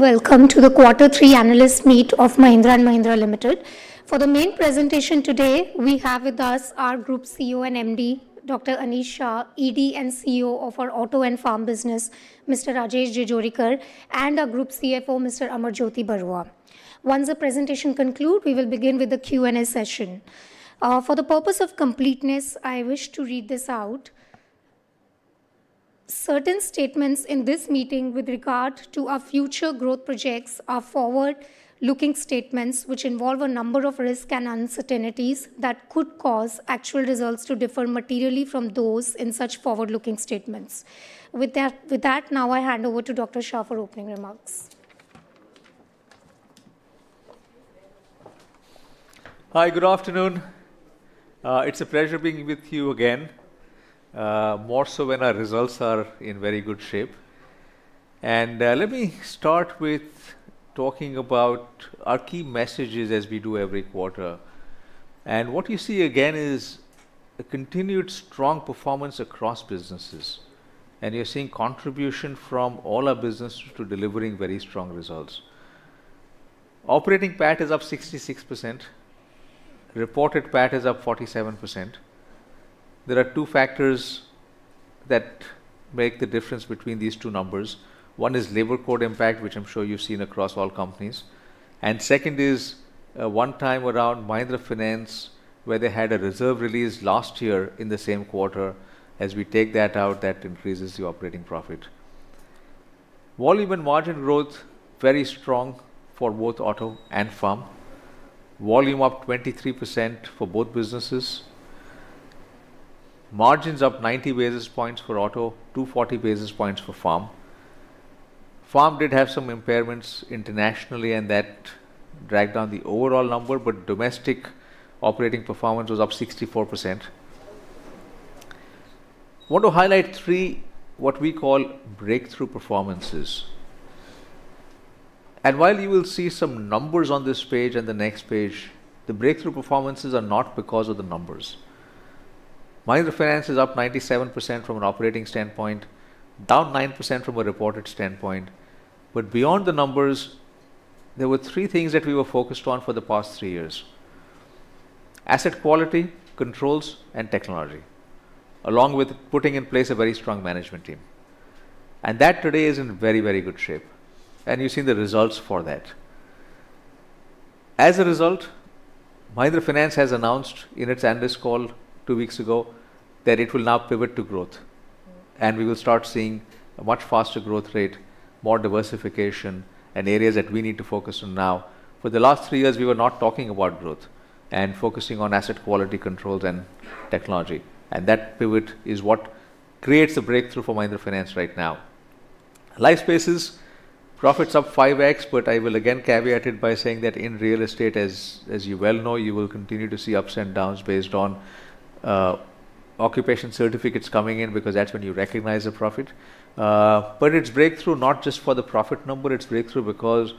Welcome to the Quarter three Analyst Meet of Mahindra & Mahindra Limited. For the main presentation today, we have with us our Group CEO and MD, Dr. Anish Shah, ED and CEO of our auto and farm business, Mr. Rajesh Jejurikar, and our Group CFO, Mr. Amarjyoti Barua. Once the presentation concludes, we will begin with the Q&A session. For the purpose of completeness, I wish to read this out: "Certain statements in this meeting with regard to our future growth projects are forward-looking statements which involve a number of risks and uncertainties that could cause actual results to differ materially from those in such forward-looking statements." With that, with that, now I hand over to Dr. Shah for opening remarks. Hi, good afternoon. It's a pleasure being with you again, more so when our results are in very good shape. Let me start with talking about our key messages as we do every quarter. What you see again is a continued strong performance across businesses, and you're seeing contribution from all our businesses to delivering very strong results. Operating PAT is up 66%. Reported PAT is up 47%. There are two factors that make the difference between these two numbers. One is labor code impact, which I'm sure you've seen across all companies. Second is, one-time around Mahindra Finance, where they had a reserve release last year in the same quarter. As we take that out, that increases the operating profit. Volume and margin growth, very strong for both auto and farm. Volume up 23% for both businesses. Margins up 90 basis points for auto, 240 basis points for farm. Farm did have some impairments internationally, and that dragged down the overall number, but domestic operating performance was up 64%. I want to highlight three what we call breakthrough performances. And while you will see some numbers on this page and the next page, the breakthrough performances are not because of the numbers. Mahindra Finance is up 97% from an operating standpoint, down 9% from a reported standpoint. But beyond the numbers, there were three things that we were focused on for the past three years: asset quality, controls, and technology, along with putting in place a very strong management team. And that today is in very, very good shape, and you've seen the results for that. As a result, Mahindra Finance has announced in its analyst call two weeks ago that it will now pivot to growth, and we will start seeing a much faster growth rate, more diversification, and areas that we need to focus on now. For the last three years, we were not talking about growth and focusing on asset quality, controls, and technology. And that pivot is what creates the breakthrough for Mahindra Finance right now. Lifespaces, profits up 5x, but I will again caveat it by saying that in real estate, as, as you well know, you will continue to see ups and downs based on occupation certificates coming in because that's when you recognize a profit. But it's breakthrough not just for the profit number. It's breakthrough because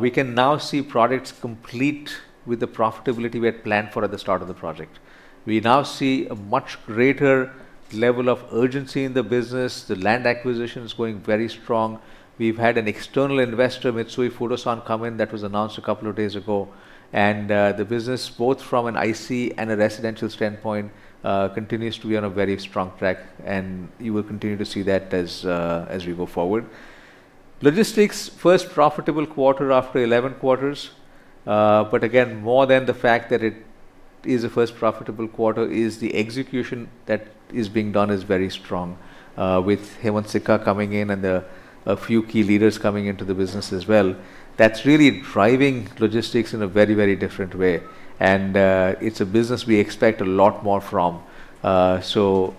we can now see products complete with the profitability we had planned for at the start of the project. We now see a much greater level of urgency in the business. The land acquisition is going very strong. We've had an external investor, Mitsui Fudosan, come in that was announced a couple of days ago. And, the business, both from an IC and a residential standpoint, continues to be on a very strong track, and you will continue to see that as, as we go forward. Logistics, first profitable quarter after 11 quarters. But again, more than the fact that it is a first profitable quarter, is the execution that is being done is very strong. With Hemant Sikka coming in and the, few key leaders coming into the business as well, that's really driving logistics in a very, very different way. And, it's a business we expect a lot more from. So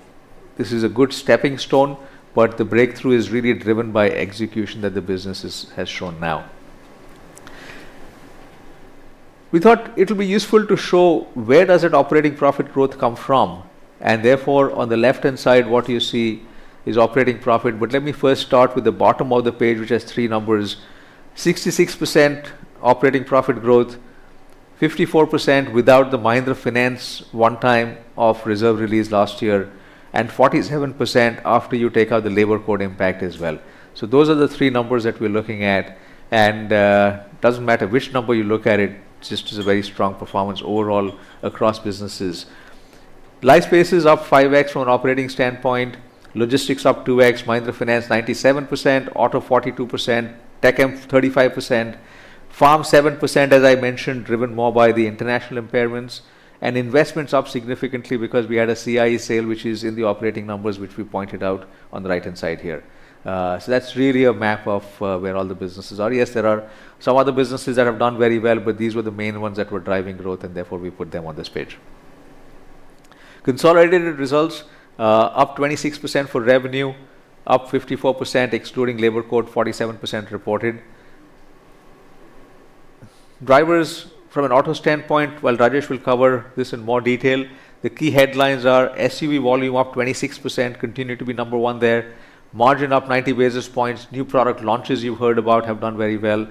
this is a good stepping stone, but the breakthrough is really driven by execution that the business has, has shown now. We thought it'll be useful to show where does operating profit growth come from. And therefore, on the left-hand side, what you see is operating profit. But let me first start with the bottom of the page, which has three numbers: 66% operating profit growth, 54% without the Mahindra Finance one-time of reserve release last year, and 47% after you take out the labor code impact as well. So those are the three numbers that we're looking at. And, it doesn't matter which number you look at, it just is a very strong performance overall across businesses. Life spaces up 5x from an operating standpoint. Logistics up 2x. Mahindra Finance, 97%. Auto 42%. TechM, 35%. Farm 7%, as I mentioned, driven more by the international impairments. Investments up significantly because we had a CIE sale, which is in the operating numbers which we pointed out on the right-hand side here. So that's really a map of, where all the businesses are. Yes, there are some other businesses that have done very well, but these were the main ones that were driving growth, and therefore we put them on this page. Consolidated results, up 26% for revenue, up 54% excluding labor code, 47% reported. Drivers from an auto standpoint, while Rajesh will cover this in more detail, the key headlines are SUV volume up 26%, continue to be number one there, margin up 90 basis points, new product launches you've heard about have done very well.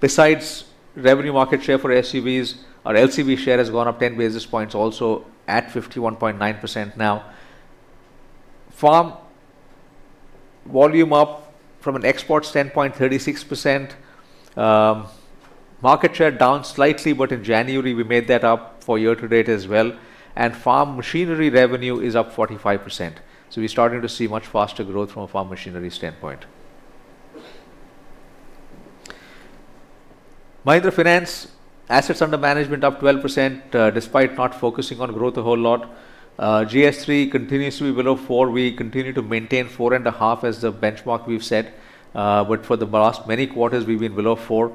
Besides revenue market share for SUVs, our LCV share has gone up 10 basis points also at 51.9% now. Farm volume up from an export standpoint 36%. Market share down slightly, but in January we made that up for year-to-date as well. Farm machinery revenue is up 45%. So we're starting to see much faster growth from a farm machinery standpoint. Mahindra Finance, assets under management up 12%, despite not focusing on growth a whole lot. GS3 continues to be below 4%. We continue to maintain 4.5% as the benchmark we've set, but for the last many quarters we've been below 4%.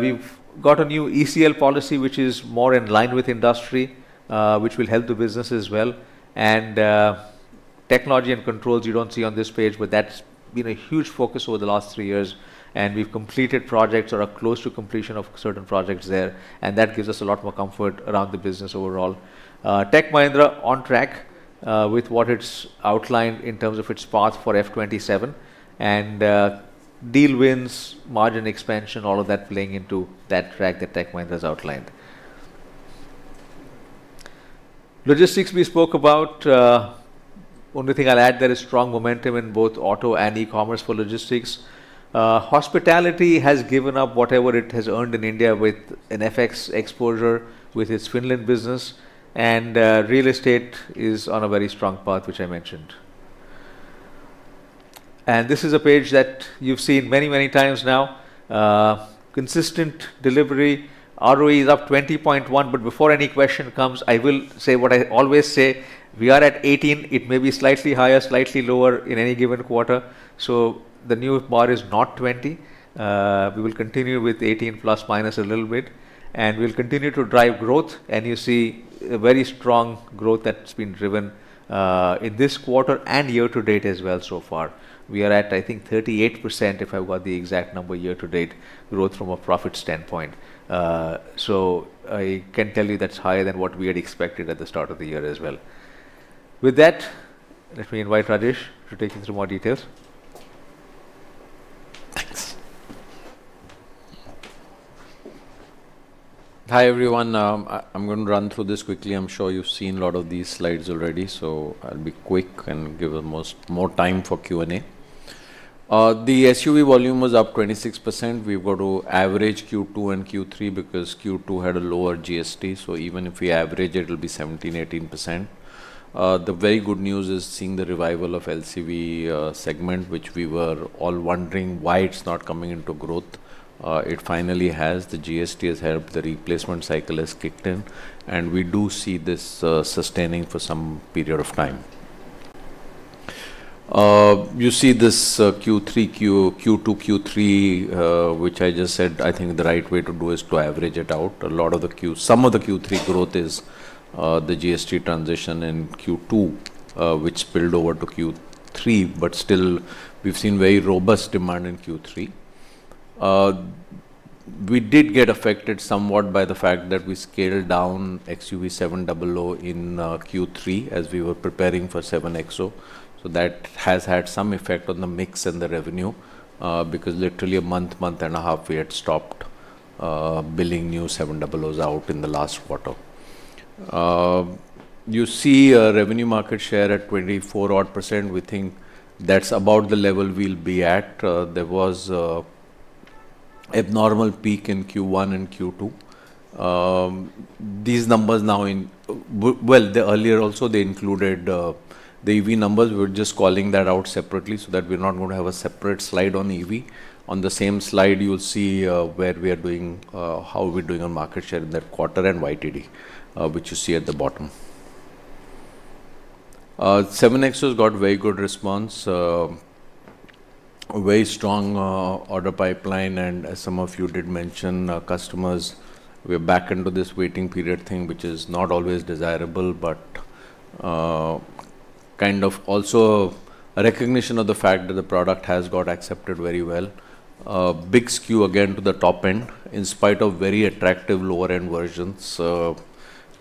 We've got a new ECL policy which is more in line with industry, which will help the business as well. Technology and controls, you don't see on this page, but that's been a huge focus over the last three years. We've completed projects or are close to completion of certain projects there, and that gives us a lot more comfort around the business overall. Tech Mahindra on track, with what it's outlined in terms of its path for F27. Deal wins, margin expansion, all of that playing into that track that Tech Mahindra's outlined. Logistics we spoke about, only thing I'll add there is strong momentum in both auto and e-commerce for logistics. Hospitality has given up whatever it has earned in India with NFX exposure with its Finland business. Real estate is on a very strong path which I mentioned. And this is a page that you've seen many, many times now. Consistent delivery. ROE is up 20.1, but before any question comes, I will say what I always say: we are at 18. It may be slightly higher, slightly lower in any given quarter. So the new bar is not 20. We will continue with 18 ± a little bit. We'll continue to drive growth, and you see a very strong growth that's been driven in this quarter and year-to-date as well so far. We are at, I think, 38%, if I've got the exact number, year-to-date growth from a profit standpoint. So I can tell you that's higher than what we had expected at the start of the year as well. With that, let me invite Rajesh to take you through more details. Hi everyone. I'm going to run through this quickly. I'm sure you've seen a lot of these slides already, so I'll be quick and give almost more time for Q&A. The SUV volume was up 26%. We've got to average Q2 and Q3 because Q2 had a lower GST, so even if we average, it'll be 17%-18%. The very good news is seeing the revival of LCV segment which we were all wondering why it's not coming into growth. It finally has. The GST has helped. The replacement cycle has kicked in, and we do see this sustaining for some period of time. You see this Q3, Q2, Q3, which I just said. I think the right way to do is to average it out. A lot of the Q some of the Q3 growth is, the GST transition in Q2, which spilled over to Q3, but still we've seen very robust demand in Q3. We did get affected somewhat by the fact that we scaled down XUV700 in Q3 as we were preparing for XUV 3XO. So that has had some effect on the mix and the revenue, because literally a month, month and a half we had stopped billing new XUV700s out in the last quarter. You see a revenue market share at 24-odd%. We think that's about the level we'll be at. There was abnormal peak in Q1 and Q2. These numbers now in well, the earlier also they included the EV numbers. We're just calling that out separately so that we're not going to have a separate slide on EV. On the same slide, you'll see where we are doing, how we're doing on market share in that quarter and YTD, which you see at the bottom. 7XO's got very good response, very strong order pipeline. And as some of you did mention, customers, we're back into this waiting period thing which is not always desirable, but kind of also a recognition of the fact that the product has got accepted very well. Big SKU again to the top end in spite of very attractive lower-end versions.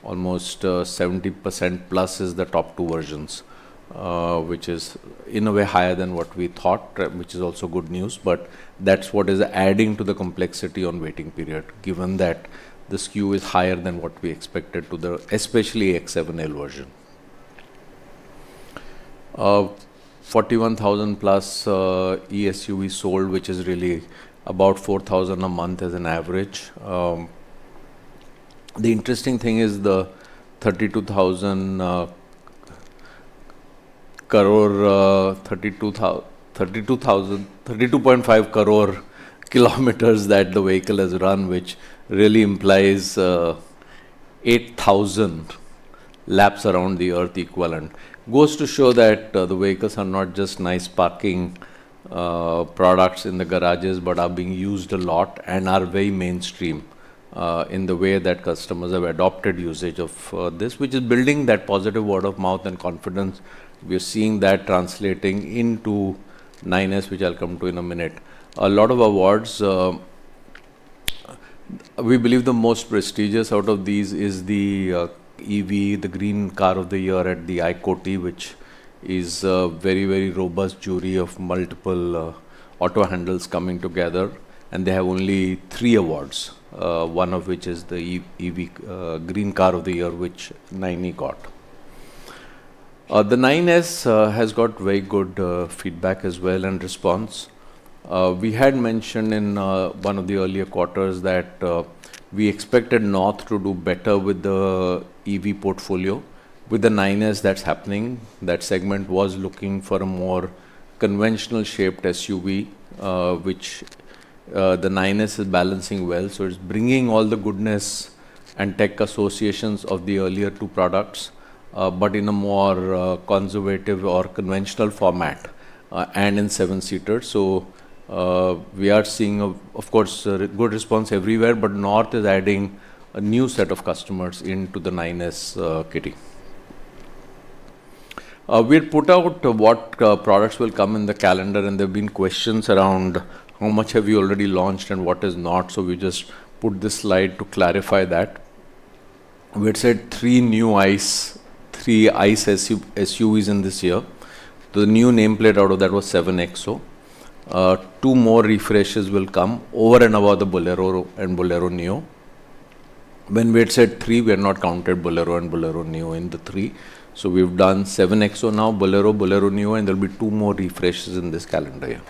Almost 70%+ is the top two versions, which is in a way higher than what we thought, which is also good news. But that's what is adding to the complexity on waiting period given that the SKU is higher than what we expected to the especially AX7L version. 41,000+ eSUVs sold, which is really about 4,000 a month as an average. The interesting thing is the 32.5 crore kilometers that the vehicle has run, which really implies 8,000 laps around the Earth equivalent. Goes to show that the vehicles are not just nice parking products in the garages but are being used a lot and are very mainstream in the way that customers have adopted usage of this, which is building that positive word of mouth and confidence. We're seeing that translating into 9S, which I'll come to in a minute. A lot of awards, we believe the most prestigious out of these is the EV Green Car of the Year at the ICOTY, which is a very, very robust jury of multiple auto honchos coming together. And they have only three awards, one of which is the EV Green Car of the Year which NINI got. The 9S has got very good feedback as well and response. We had mentioned in one of the earlier quarters that we expected North to do better with the EV portfolio. With the 9S that's happening, that segment was looking for a more conventional-shaped SUV, which the 9S is balancing well. So it's bringing all the goodness and tech associations of the earlier two products, but in a more conservative or conventional format, and in seven-seater. So we are seeing, of course, a good response everywhere, but North is adding a new set of customers into the 9S kitty. We've put out what products will come in the calendar, and there've been questions around how much have you already launched and what is not. So we just put this slide to clarify that. We had said three new ICE, three ICE SUVs in this year. The new nameplate out of that was XUV 3XO. Two more refreshes will come over and above the Bolero and Bolero Neo. When we had said three, we had not counted Bolero and Bolero Neo in the three. So we've done XUV 3XO now, Bolero, Bolero Neo, and there'll be two more refreshes in this calendar year.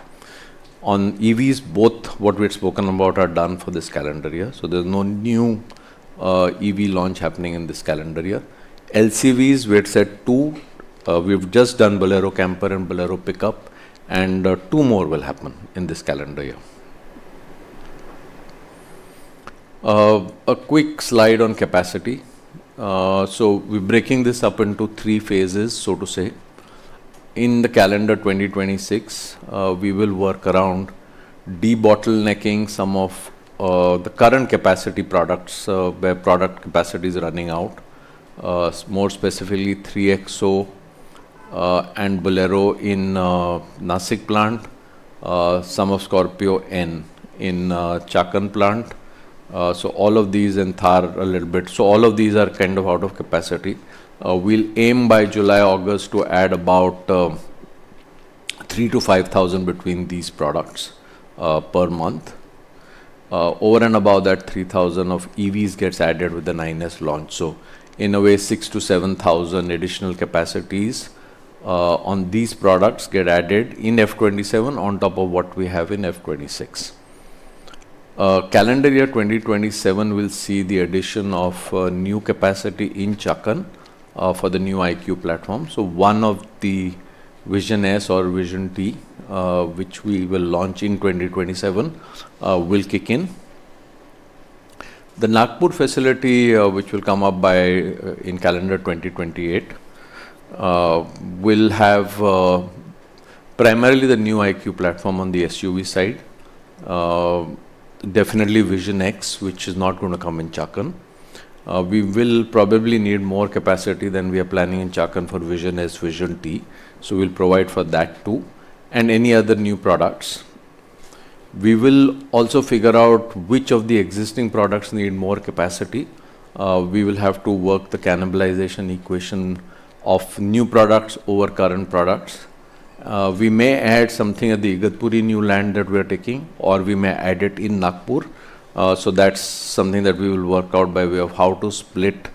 On EVs, both what we had spoken about are done for this calendar year. So there's no new EV launch happening in this calendar year. LCVs, we had said two. We've just done Bolero Camper and Bolero Pickup, and two more will happen in this calendar year. A quick slide on capacity. So we're breaking this up into three phases, so to say. In the calendar 2026, we will work around debottlenecking some of the current capacity products, where product capacity is running out. More specifically, XUV 3XO, and Bolero in Nashik plant, some of Scorpio-N in Chakan plant. So all of these and Thar a little bit. So all of these are kind of out of capacity. We'll aim by July, August to add about 3,000-5,000 between these products per month. Over and above that, 3,000 of EVs gets added with the 9S launch. So in a way, 6,000-7,000 additional capacities on these products get added in F27 on top of what we have in F26. Calendar year 2027 will see the addition of new capacity in Chakan for the new IQ platform. So one of the Vision S or Vision T, which we will launch in 2027, will kick in. The Nagpur facility, which will come up by in calendar 2028, will have primarily the new IQ platform on the SUV side. Definitely Vision X, which is not going to come in Chakan. We will probably need more capacity than we are planning in Chakan for Vision S, Vision T. So we'll provide for that too and any other new products. We will also figure out which of the existing products need more capacity. We will have to work the cannibalization equation of new products over current products. We may add something at the Igatpuri new land that we are taking, or we may add it in Nagpur. So that's something that we will work out by way of how to split,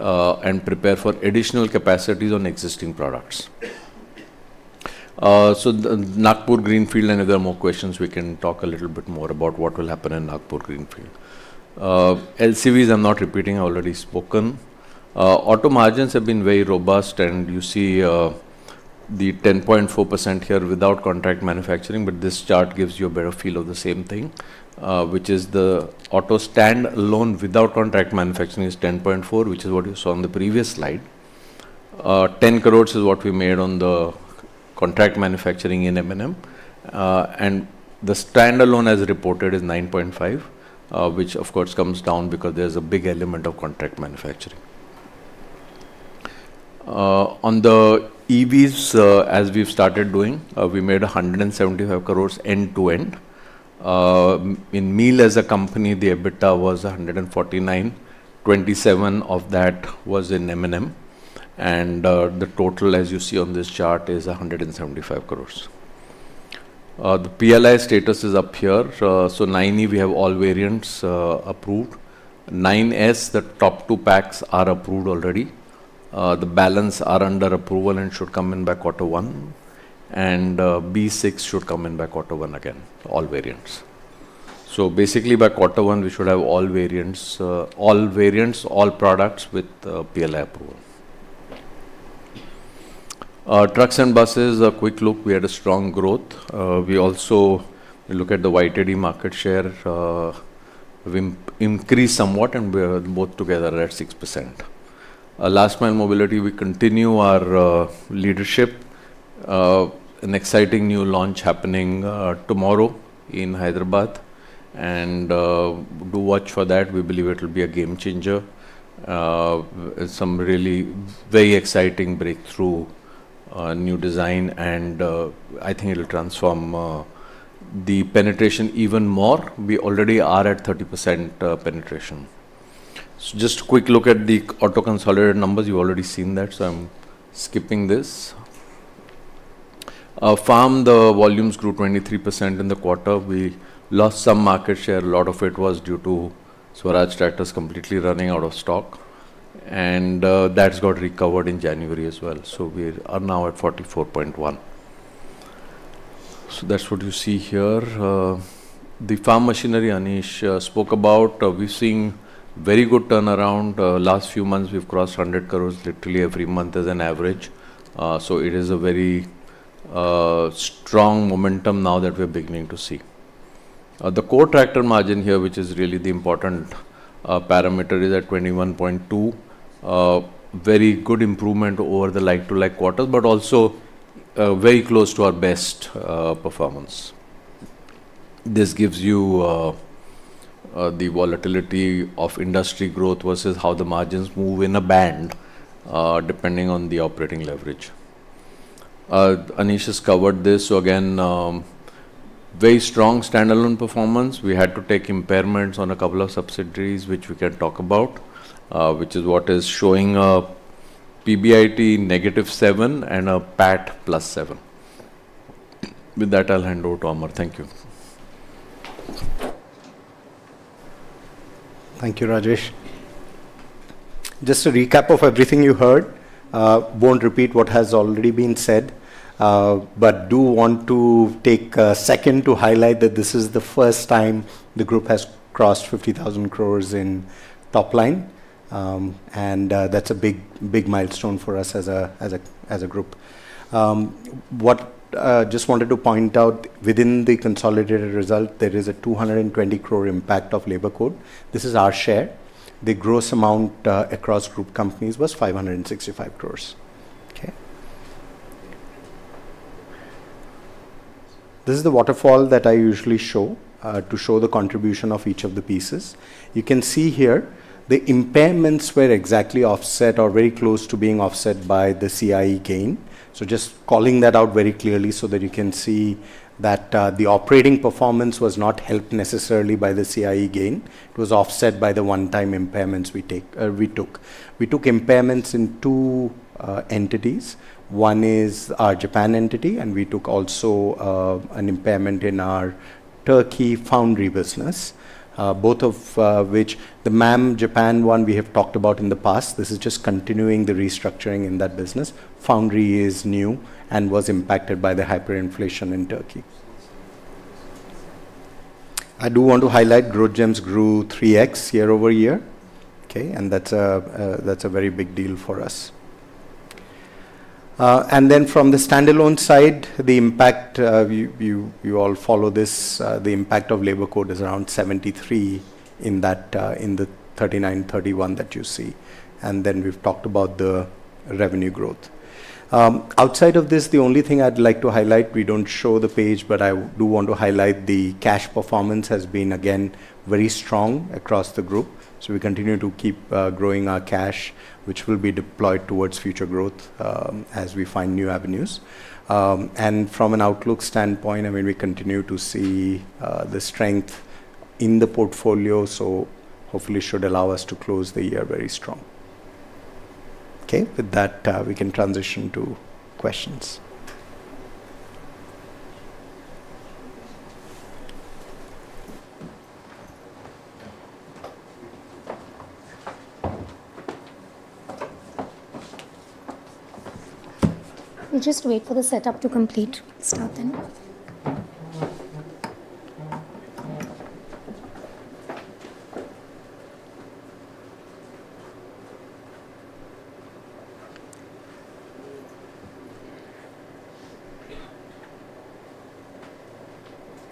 and prepare for additional capacities on existing products. So the Nagpur greenfield and other more questions, we can talk a little bit more about what will happen in Nagpur greenfield. LCVs, I'm not repeating, I've already spoken. Auto margins have been very robust, and you see, the 10.4% here without contract manufacturing, but this chart gives you a better feel of the same thing, which is the auto standalone without contract manufacturing is 10.4%, which is what you saw on the previous slide. 10 crore is what we made on the contract manufacturing in M&M. The standalone, as reported, is 9.5%, which, of course, comes down because there's a big element of contract manufacturing. On the EVs, as we've started doing, we made 175 crore end-to-end. In MEEL as a company, the EBITDA was 149 crore. 27 crore of that was in M&M. The total, as you see on this chart, is 175 crore. The PLI status is up here. So NINI, we have all variants, approved. 9S, the top two packs are approved already. The balance are under approval and should come in by quarter one. B6 should come in by quarter one again, all variants. So basically, by quarter one, we should have all variants, all variants, all products with PLI approval. Trucks and buses, a quick look, we had a strong growth. We also look at the YTD market share, we increased somewhat, and we are both together at 6%. Last-mile mobility, we continue our leadership. An exciting new launch happening tomorrow in Hyderabad. Do watch for that. We believe it'll be a game changer, some really very exciting breakthrough new design. I think it'll transform the penetration even more. We already are at 30% penetration. So just a quick look at the auto consolidated numbers. You've already seen that, so I'm skipping this. Farm, the volumes grew 23% in the quarter. We lost some market share. A lot of it was due to Swaraj Tractors completely running out of stock. That's got recovered in January as well. We are now at 44.1. That's what you see here. The farm machinery Anish spoke about. We're seeing very good turnaround. Last few months, we've crossed 100 crore literally every month as an average. It is a very strong momentum now that we're beginning to see. The core tractor margin here, which is really the important parameter, is at 21.2%. Very good improvement over the like-for-like quarters, but also very close to our best performance. This gives you the volatility of industry growth versus how the margins move in a band, depending on the operating leverage. Anish has covered this. Again, very strong standalone performance. We had to take impairments on a couple of subsidiaries, which we can talk about, which is what is showing a PBIT -7% and a PAT +7%. With that, I'll hand over to Amar. Thank you. Thank you, Rajesh. Just to recap of everything you heard, won't repeat what has already been said, but do want to take a second to highlight that this is the first time the group has crossed 50,000 crore in top line. That's a big, big milestone for us as a group. Just wanted to point out, within the consolidated result, there is a 220 crore impact of labor code. This is our share. The gross amount, across group companies was 565 crore. Okay? This is the waterfall that I usually show, to show the contribution of each of the pieces. You can see here, the impairments were exactly offset or very close to being offset by the CIE gain. So just calling that out very clearly so that you can see that, the operating performance was not helped necessarily by the CIE gain. It was offset by the one-time impairments we take or we took. We took impairments in two entities. One is our Japan entity, and we took also an impairment in our Turkey foundry business, both of which the MAM Japan one, we have talked about in the past. This is just continuing the restructuring in that business. Foundry is new and was impacted by the hyperinflation in Turkey. I do want to highlight, Growth Gems grew 3x year-over-year. Okay? And that's a very big deal for us. And then from the standalone side, the impact, you all follow this, the impact of labor code is around 73 in that, in the 39, 31 that you see. Then we've talked about the revenue growth. Outside of this, the only thing I'd like to highlight, we don't show the page, but I do want to highlight the cash performance has been, again, very strong across the group. So we continue to keep, growing our cash, which will be deployed towards future growth, as we find new avenues. And from an Outlook standpoint, I mean, we continue to see, the strength in the portfolio, so hopefully should allow us to close the year very strong. Okay? With that, we can transition to questions. We'll just wait for the setup to complete. Start then.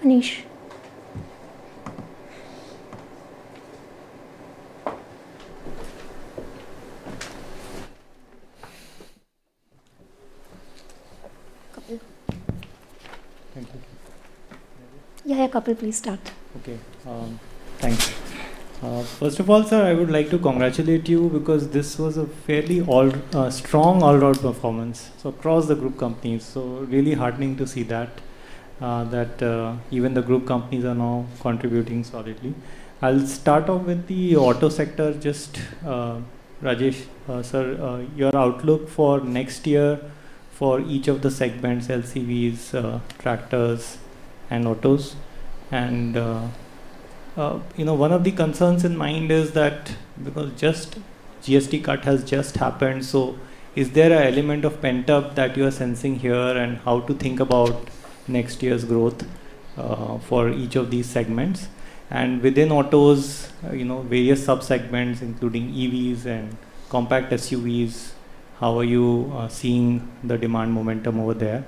Anish. Couple. Thank you. Yeah, yeah, couple, please start. Okay. Thanks. First of all, sir, I would like to congratulate you because this was a fairly all-strong, all-round performance across the group companies. So really heartening to see that even the group companies are now contributing solidly. I'll start off with the auto sector just, Rajesh, sir, your outlook for next year for each of the segments, LCVs, tractors, and autos. And, you know, one of the concerns in mind is that because just GST cut has just happened, so is there an element of pent-up that you are sensing here and how to think about next year's growth, for each of these segments? And within autos, you know, various subsegments including EVs and compact SUVs, how are you seeing the demand momentum over there?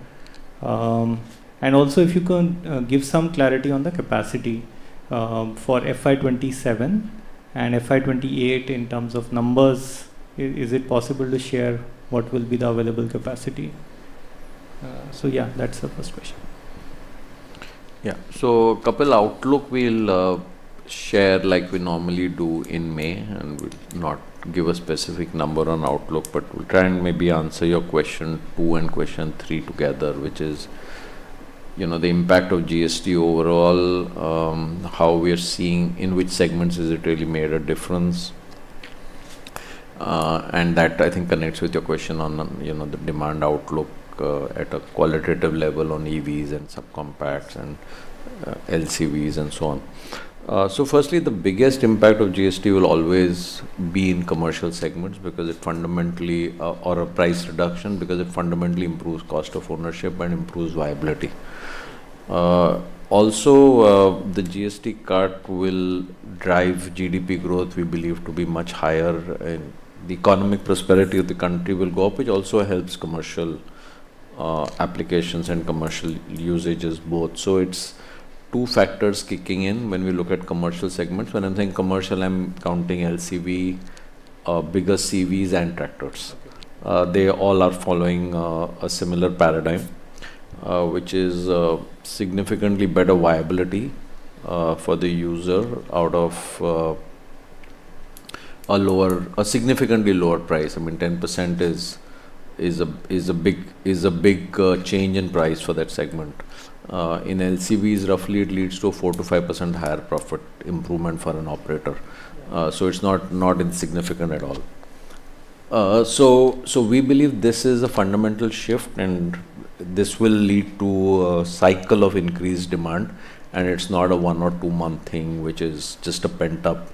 And also if you could give some clarity on the capacity, for FI27 and FI28 in terms of numbers, is it possible to share what will be the available capacity? So yeah, that's the first question. Yeah. So, on outlook, we'll share like we normally do in May and we'll not give a specific number on outlook, but we'll try and maybe answer your question 2 and question 3 together, which is, you know, the impact of GST overall, how we are seeing in which segments has it really made a difference. And that, I think, connects with your question on, you know, the demand outlook, at a qualitative level on EVs and subcompacts and LCVs and so on. So, firstly, the biggest impact of GST will always be in commercial segments because it fundamentally, or a price reduction because it fundamentally improves cost of ownership and improves viability. Also, the GST cut will drive GDP growth, we believe, to be much higher, and the economic prosperity of the country will go up, which also helps commercial applications and commercial usages both. So it's two factors kicking in when we look at commercial segments. When I'm saying commercial, I'm counting LCV, bigger CVs, and tractors. They all are following a similar paradigm, which is significantly better viability for the user out of a significantly lower price. I mean, 10% is a big change in price for that segment. In LCVs, roughly, it leads to a 4%-5% higher profit improvement for an operator. So it's not insignificant at all. So we believe this is a fundamental shift, and this will lead to a cycle of increased demand. And it's not a one- or two-month thing, which is just a pent-up,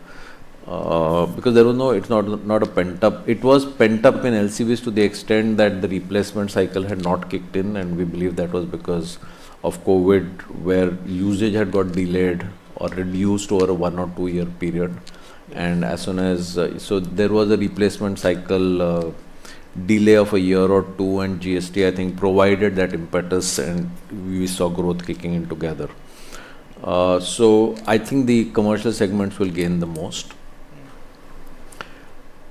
because there was no—it's not a pent-up. It was pent-up in LCVs to the extent that the replacement cycle had not kicked in, and we believe that was because of COVID, where usage had got delayed or reduced over a 1- or 2-year period. As soon as there was a replacement cycle, delay of 1 year or 2, and GST, I think, provided that impetus, and we saw growth kicking in together. So I think the commercial segments will gain the most.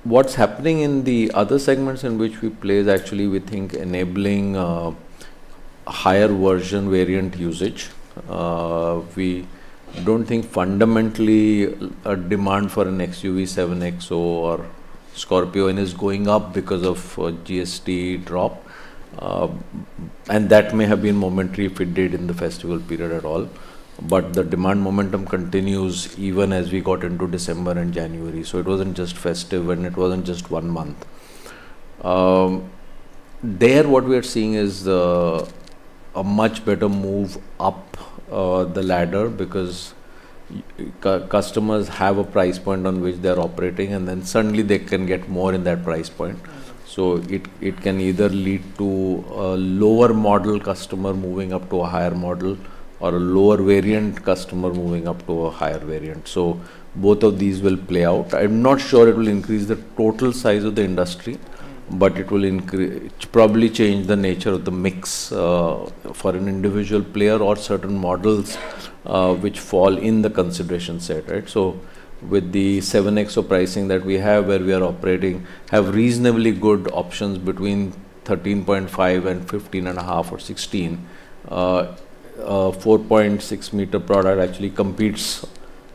What's happening in the other segments in which we play is actually, we think, enabling higher version variant usage. We don't think fundamentally a demand for an SUV XUV 3XO or Scorpio-N is going up because of GST drop. And that may have been momentary if it did in the festival period at all. But the demand momentum continues even as we got into December and January. So it wasn't just festive, and it wasn't just one month. There, what we are seeing is a much better move up the ladder because customers have a price point on which they're operating, and then suddenly, they can get more in that price point. So it can either lead to a lower model customer moving up to a higher model or a lower variant customer moving up to a higher variant. So both of these will play out. I'm not sure it will increase the total size of the industry, but it will increase it probably changes the nature of the mix, for an individual player or certain models, which fall in the consideration set, right? So with the 7XO pricing that we have, where we are operating, have reasonably good options between 13.5 and 15.5 or 16, 4.6-meter product actually competes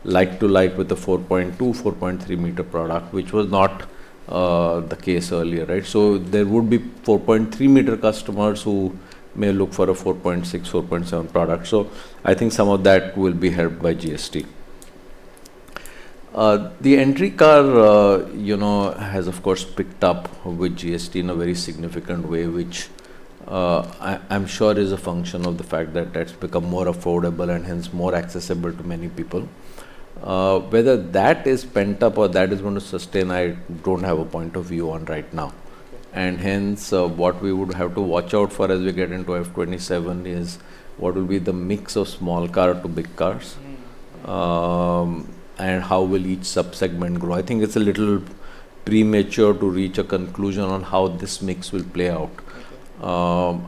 like to like with the 4.2-4.3-meter product, which was not the case earlier, right? So there would be 4.3-meter customers who may look for a 4.6-4.7 product. So I think some of that will be helped by GST. The entry car, you know, has, of course, picked up with GST in a very significant way, which, I'm sure is a function of the fact that that's become more affordable and hence more accessible to many people. Whether that is pent-up or that is going to sustain, I don't have a point of view on right now. Hence, what we would have to watch out for as we get into F27 is what will be the mix of small car to big cars, and how will each subsegment grow. I think it's a little premature to reach a conclusion on how this mix will play out.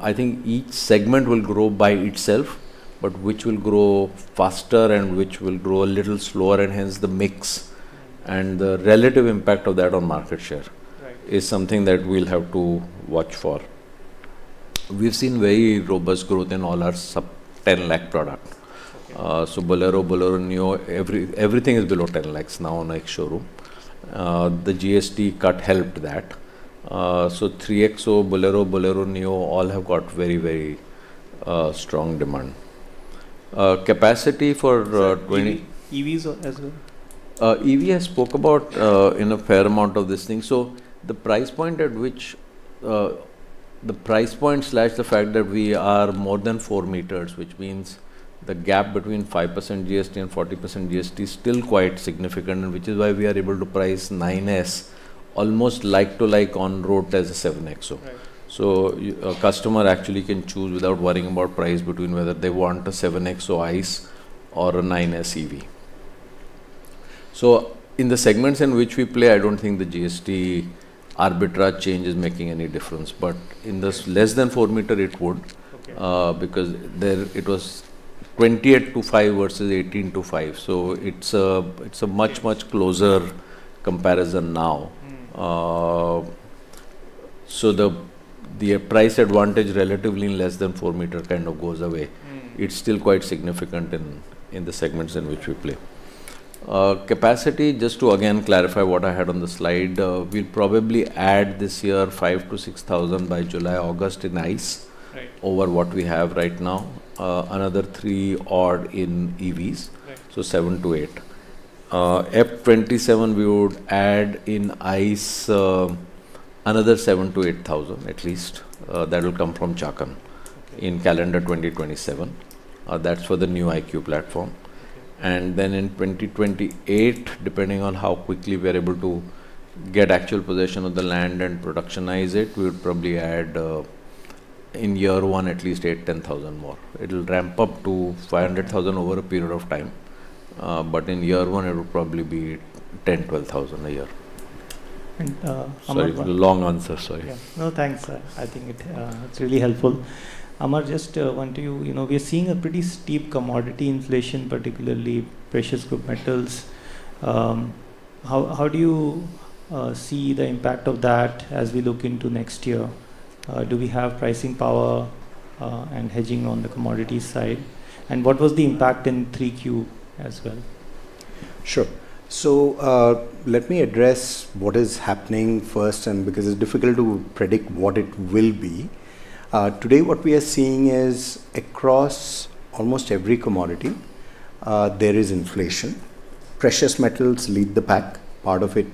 I think each segment will grow by itself, but which will grow faster and which will grow a little slower and hence the mix and the relative impact of that on market share is something that we'll have to watch for. We've seen very robust growth in all our sub-INR 10 lakh products. So Bolero, Bolero Neo, everything is below 10 lakh now in ex-showroom. The GST cut helped that. So 3XO, Bolero, Bolero Neo all have got very, very, strong demand. Capacity for 20 EVs as well? EV, I spoke about, in a fair amount of this thing. So the price point at which the price point slash the fact that we are more than four meters, which means the gap between 5% GST and 40% GST is still quite significant, and which is why we are able to price XUV 9e almost like to like on road as a XUV 3XO. So a customer actually can choose without worrying about price between whether they want a XUV 3XO ICE or a XUV 9e EV. So in the segments in which we play, I don't think the GST arbitrage change is making any difference, but in this less than four-meter, it would, because there it was 28%-5% versus 18%-5%. So it's a much, much closer comparison now. So the price advantage relatively in less than four-meter kind of goes away. It's still quite significant in the segments in which we play. Capacity, just to again clarify what I had on the slide, we'll probably add this year 5,000-6,000 by July, August in ICE over what we have right now, another three odd in EVs, so 7-8. FY27, we would add in ICE, another 7,000-8,000 at least. That will come from Chakan in calendar 2027. That's for the new IQ platform. And then in 2028, depending on how quickly we are able to get actual possession of the land and productionize it, we would probably add, in year one at least 8,000-10,000 more. It'll ramp up to 500,000 over a period of time, but in year one, it would probably be 10,000-12,000 a year. And, Amarjyoti. Sorry, long answer. Sorry. Yeah. No, thanks, sir. I think it, it's really helpful. Amar, just want to you, you know, we are seeing a pretty steep commodity inflation, particularly precious group metals. How do you see the impact of that as we look into next year? Do we have pricing power, and hedging on the commodity side? And what was the impact in 3Q as well? Sure. So, let me address what is happening first and because it's difficult to predict what it will be. Today, what we are seeing is across almost every commodity, there is inflation. Precious metals lead the pack. Part of it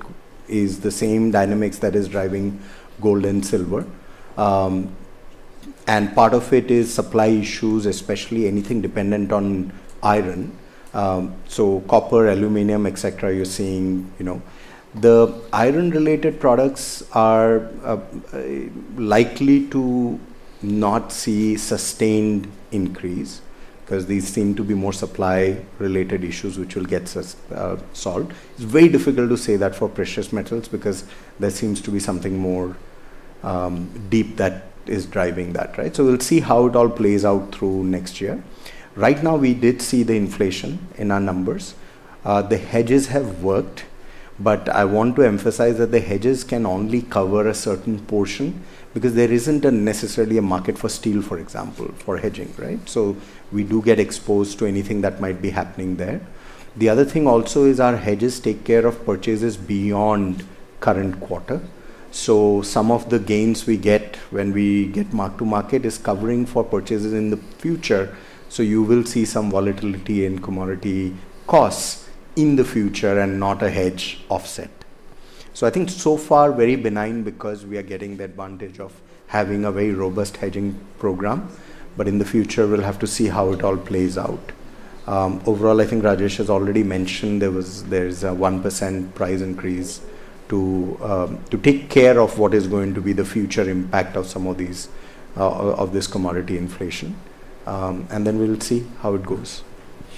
is the same dynamics that is driving gold and silver. And part of it is supply issues, especially anything dependent on iron. So copper, aluminum, etc., you're seeing, you know. The iron-related products are likely to not see sustained increase because these seem to be more supply-related issues, which will get us solved. It's very difficult to say that for precious metals because there seems to be something more, deep that is driving that, right? So we'll see how it all plays out through next year. Right now, we did see the inflation in our numbers. The hedges have worked, but I want to emphasize that the hedges can only cover a certain portion because there isn't necessarily a market for steel, for example, for hedging, right? So we do get exposed to anything that might be happening there. The other thing also is our hedges take care of purchases beyond current quarter. So some of the gains we get when we get mark-to-market is covering for purchases in the future. So you will see some volatility in commodity costs in the future and not a hedge offset. So I think so far, very benign because we are getting the advantage of having a very robust hedging program. But in the future, we'll have to see how it all plays out. Overall, I think Rajesh has already mentioned there was a 1% price increase to take care of what is going to be the future impact of some of these, of this commodity inflation. Then we'll see how it goes.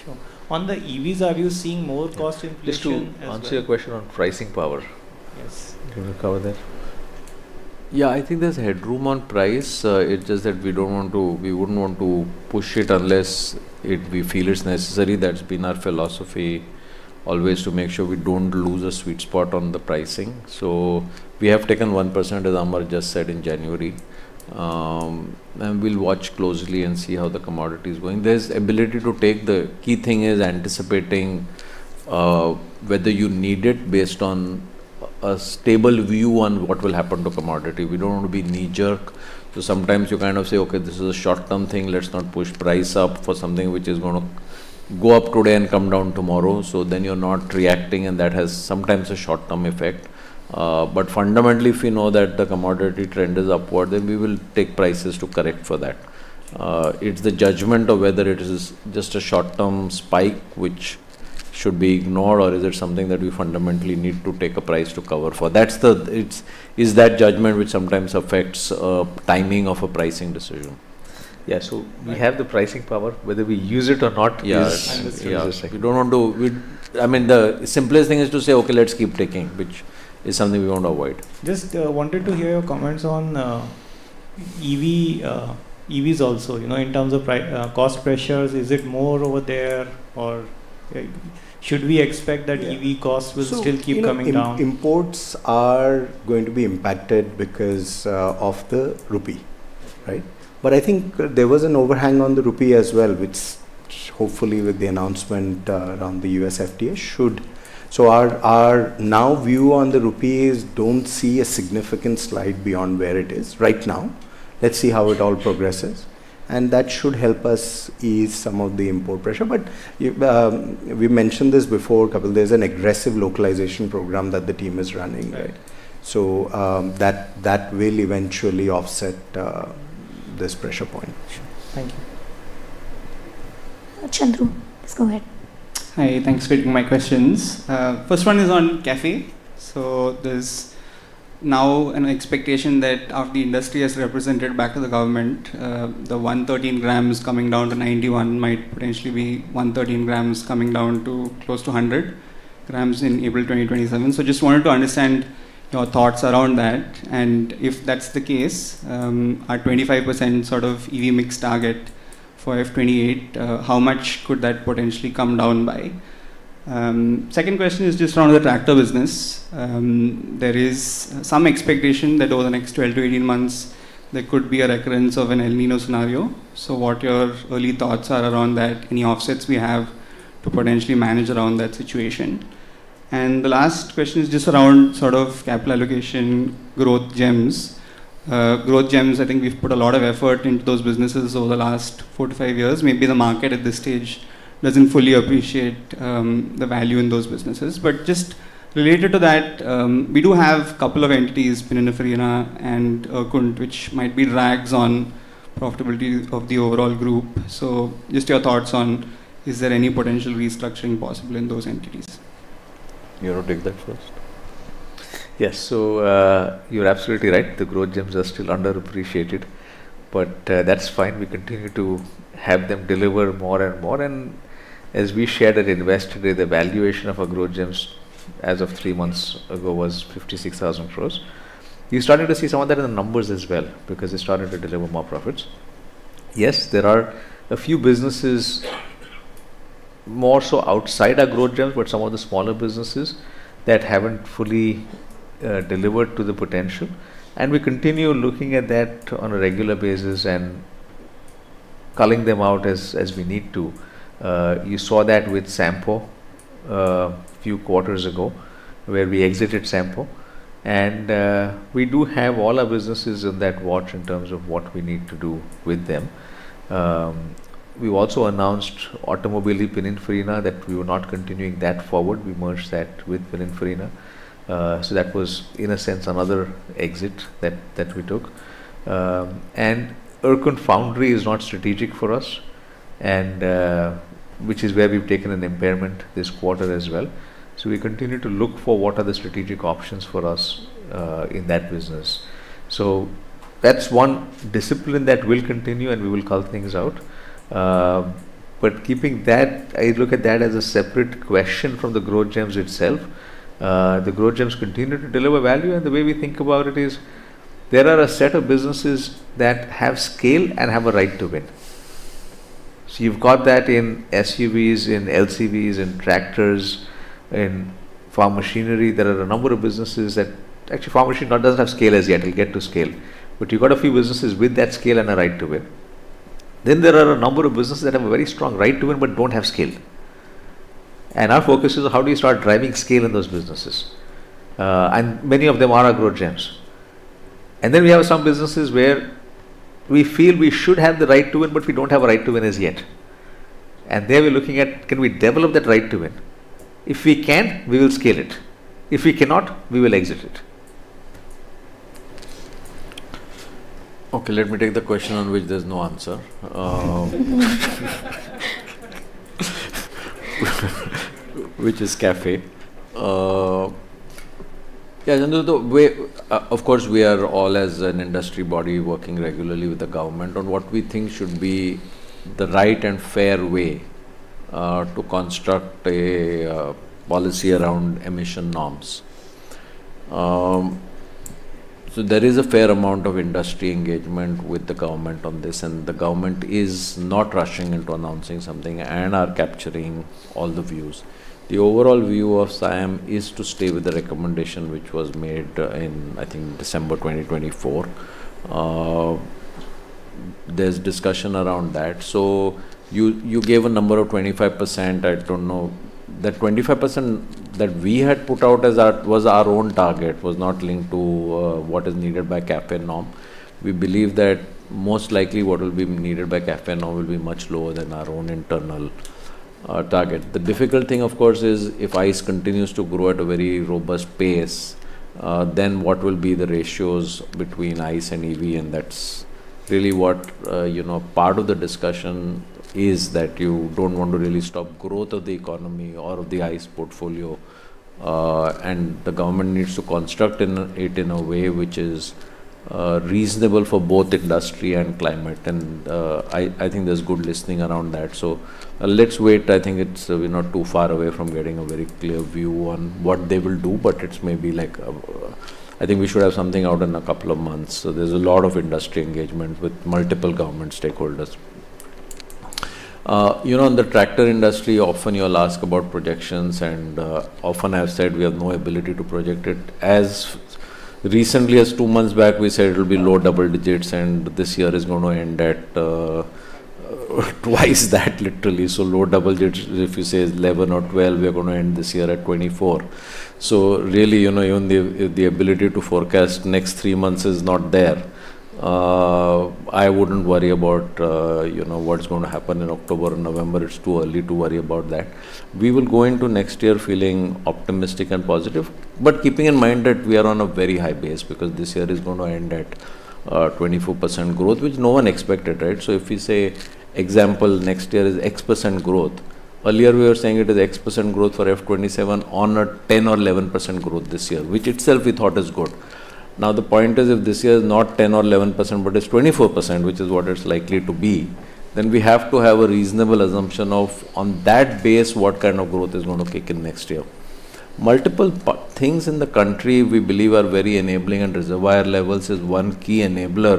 Sure. On the EVs, are you seeing more cost inflation as well? This is to answer your question on pricing power. Yes. Do you want to cover that? Yeah, I think there's headroom on price. It's just that we don't want to push it unless we feel it's necessary. That's been our philosophy always to make sure we don't lose a sweet spot on the pricing. So we have taken 1%, as Amar just said in January, and we'll watch closely and see how the commodity is going. There's ability to take the key thing is anticipating, whether you need it based on a stable view on what will happen to commodity. We don't want to be knee-jerk. So sometimes you kind of say, "Okay, this is a short-term thing. Let's not push price up for something which is going to go up today and come down tomorrow." So then you're not reacting, and that has sometimes a short-term effect. But fundamentally, if we know that the commodity trend is upward, then we will take prices to correct for that. It's the judgment of whether it is just a short-term spike, which should be ignored, or is it something that we fundamentally need to take a price to cover for. That's the judgment which sometimes affects a timing of a pricing decision. Yeah, so we have the pricing power. Whether we use it or not is a second. Yeah, I understand. We don't want to, I mean, the simplest thing is to say, "Okay, let's keep taking," which is something we want to avoid. Just wanted to hear your comments on EVs also, you know, in terms of price cost pressures. Is it more over there, or should we expect that EV costs will still keep coming down? So imports are going to be impacted because of the rupee, right? But I think there was an overhang on the rupee as well, which hopefully with the announcement around the US FTA should so our now view on the rupee is don't see a significant slide beyond where it is right now. Let's see how it all progresses. And that should help us ease some of the import pressure. But you, we mentioned this before a couple of days, an aggressive localization program that the team is running, right? So, that that will eventually offset this pressure point. Sure. Thank you. Chandru, please go ahead. Hi. Thanks for taking my questions. First one is on CAFE. So there's now an expectation that after the industry has represented back to the government, the 113 grams coming down to 91 might potentially be 113 grams coming down to close to 100 grams in April 2027. So just wanted to understand your thoughts around that. And if that's the case, our 25% sort of EV mix target for F28, how much could that potentially come down by? Second question is just around the tractor business. There is some expectation that over the next 12 to 18 months, there could be a recurrence of an El Niño scenario. So what your early thoughts are around that, any offsets we have to potentially manage around that situation. And the last question is just around sort of capital allocation, Growth Gems. Growth Gems, I think we've put a lot of effort into those businesses over the last four to five years. Maybe the market at this stage doesn't fully appreciate the value in those businesses. But just related to that, we do have a couple of entities, Pininfarina and Erkunt, which might be drags on profitability of the overall group. So just your thoughts on, is there any potential restructuring possible in those entities? You want to take that first? Yes. So, you're absolutely right. The Growth Gems are still underappreciated. But, that's fine. We continue to have them deliver more and more. And as we shared at invest today, the valuation of our Growth Gems as of three months ago was 56,000 crore. You started to see some of that in the numbers as well because they started to deliver more profits. Yes, there are a few businesses more so outside our Growth Gems, but some of the smaller businesses that haven't fully delivered to the potential. And we continue looking at that on a regular basis and calling them out as we need to. You saw that with Sampo, a few quarters ago where we exited Sampo. And we do have all our businesses on that watch in terms of what we need to do with them. We also announced Automobili Pininfarina, that we were not continuing that forward. We merged that with Pininfarina. So that was, in a sense, another exit that we took. And Erkunt Foundry is not strategic for us, which is where we've taken an impairment this quarter as well. So we continue to look for what are the strategic options for us in that business. So that's one discipline that will continue, and we will call things out. But keeping that, I look at that as a separate question from the Growth Gems itself. The Growth Gems continue to deliver value. And the way we think about it is there are a set of businesses that have scale and have a right to win. So you've got that in SUVs, in LCVs, in tractors, in farm machinery. There are a number of businesses that actually, farm machinery doesn't have scale as yet. It'll get to scale. But you've got a few businesses with that scale and a right to win. Then there are a number of businesses that have a very strong right to win but don't have scale. And our focus is how do you start driving scale in those businesses? And many of them are our Growth Gems. And then we have some businesses where we feel we should have the right to win, but we don't have a right to win as yet. And there we're looking at, can we develop that right to win? If we can, we will scale it. If we cannot, we will exit it. Okay, let me take the question on which there's no answer, which is CAFE. Yeah, Chandru, the way, of course, we are all as an industry body working regularly with the government on what we think should be the right and fair way to construct a policy around emission norms. So there is a fair amount of industry engagement with the government on this, and the government is not rushing into announcing something and are capturing all the views. The overall view of SIAM is to stay with the recommendation which was made in, I think, December 2024. There's discussion around that. So you gave a number of 25%. I don't know that 25% that we had put out as our was our own target was not linked to what is needed by CAFE norm. We believe that most likely what will be needed by CAFE norm will be much lower than our own internal target. The difficult thing, of course, is if ICE continues to grow at a very robust pace, then what will be the ratios between ICE and EV? And that's really what, you know, part of the discussion is that you don't want to really stop growth of the economy or of the ICE portfolio, and the government needs to construct it in a way which is reasonable for both industry and climate. And I think there's good listening around that. So let's wait. I think it's, we're not too far away from getting a very clear view on what they will do, but it's maybe like, I think we should have something out in a couple of months. So there's a lot of industry engagement with multiple government stakeholders. You know, in the tractor industry, often you'll ask about projections, and often I have said we have no ability to project it. As recently as two months back, we said it'll be low double digits, and this year is going to end at twice that, literally. So low double digits, if you say 11 or 12, we are going to end this year at 2024. So really, you know, even the ability to forecast next three months is not there. I wouldn't worry about, you know, what's going to happen in October and November. It's too early to worry about that. We will go into next year feeling optimistic and positive, but keeping in mind that we are on a very high base because this year is going to end at 24% growth, which no one expected, right? So if we say, example, next year is X% growth. Earlier, we were saying it is X% growth for F27 on a 10% or 11% growth this year, which itself we thought is good. Now, the point is if this year is not 10% or 11%, but it's 24%, which is what it's likely to be, then we have to have a reasonable assumption of on that base what kind of growth is going to kick in next year. Multiple things in the country we believe are very enabling, and reservoir levels is one key enabler,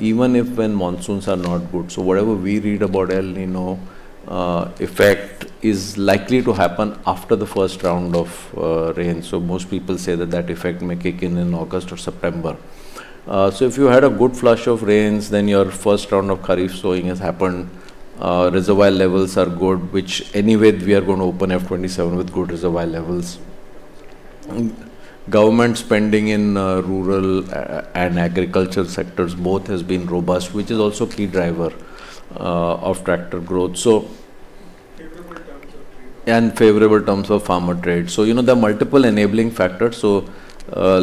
even if when monsoons are not good. So whatever we read about El Niño effect is likely to happen after the first round of rain. So most people say that that effect may kick in in August or September. So if you had a good flush of rains, then your first round of Kharif sowing has happened. Reservoir levels are good, which anyway, we are going to open F27 with good reservoir levels. Government spending in rural and agriculture sectors both has been robust, which is also a key driver of tractor growth. So in favorable terms of trade and favorable terms of farmer trade. So, you know, there are multiple enabling factors. So,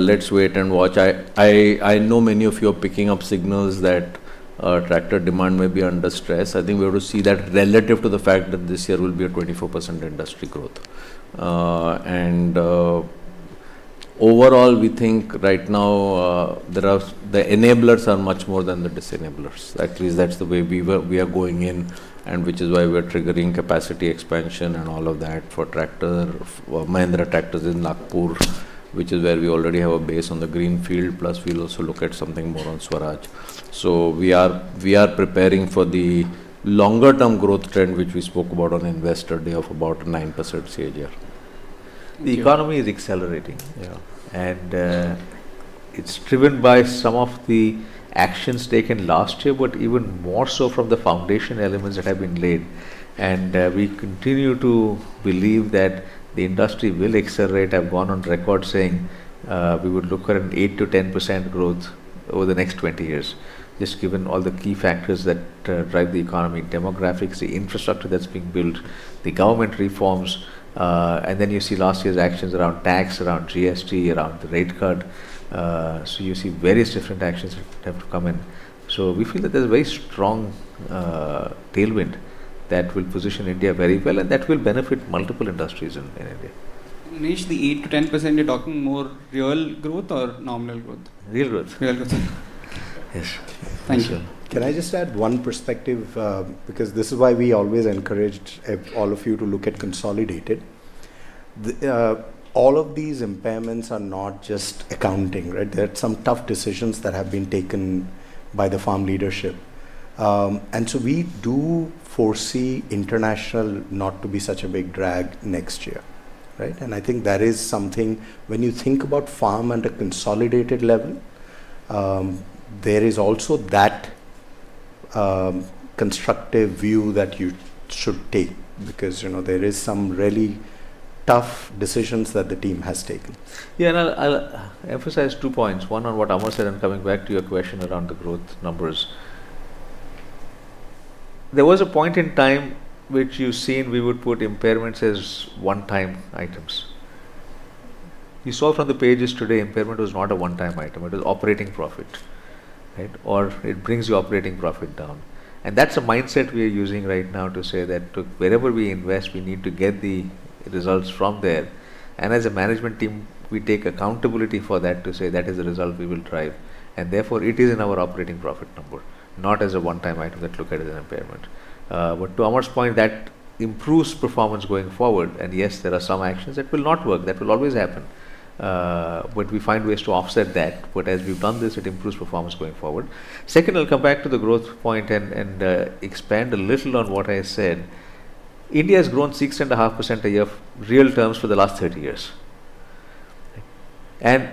let's wait and watch. I know many of you are picking up signals that tractor demand may be under stress. I think we have to see that relative to the fact that this year will be a 24% industry growth. And overall, we think right now, the enablers are much more than the disenablers. Actually, that's the way we are going in, and which is why we are triggering capacity expansion and all of that for tractors, Mahindra tractors in Nagpur, which is where we already have a base on the greenfield, plus we'll also look at something more on Swaraj. So we are preparing for the longer-term growth trend, which we spoke about on Investor Day of about a 9% CAGR. The economy is accelerating. Yeah. It's driven by some of the actions taken last year, but even more so from the foundation elements that have been laid. We continue to believe that the industry will accelerate. I've gone on record saying, we would look at an 8%-10% growth over the next 20 years, just given all the key factors that drive the economy: demographics, the infrastructure that's being built, the government reforms. And then you see last year's actions around tax, around GST, around the rate card. So you see various different actions that have to come in. So we feel that there's a very strong tailwind that will position India very well, and that will benefit multiple industries in India. Initially, 8%-10%, you're talking more real growth or nominal growth? Real growth. Real growth. Yes. Thank you. Can I just add one perspective, because this is why we always encouraged all of you to look at consolidated? The all of these impairments are not just accounting, right? There are some tough decisions that have been taken by the farm leadership. And so we do foresee international not to be such a big drag next year, right? I think that is something when you think about farm at a consolidated level; there is also that constructive view that you should take because, you know, there is some really tough decisions that the team has taken. Yeah. I'll emphasize two points, one on what Amar said and coming back to your question around the growth numbers. There was a point in time which you've seen we would put impairments as one-time items. You saw from the pages today, impairment was not a one-time item. It was operating profit, right? Or it brings your operating profit down. That's a mindset we are using right now to say that wherever we invest, we need to get the results from there. As a management team, we take accountability for that to say that is the result we will drive. Therefore, it is in our operating profit number, not as a one-time item that's looked at as an impairment. But to Amar's point, that improves performance going forward. Yes, there are some actions that will not work. That will always happen. But we find ways to offset that. But as we've done this, it improves performance going forward. Second, I'll come back to the growth point and expand a little on what I said. India has grown 6.5% a year in real terms for the last 30 years. And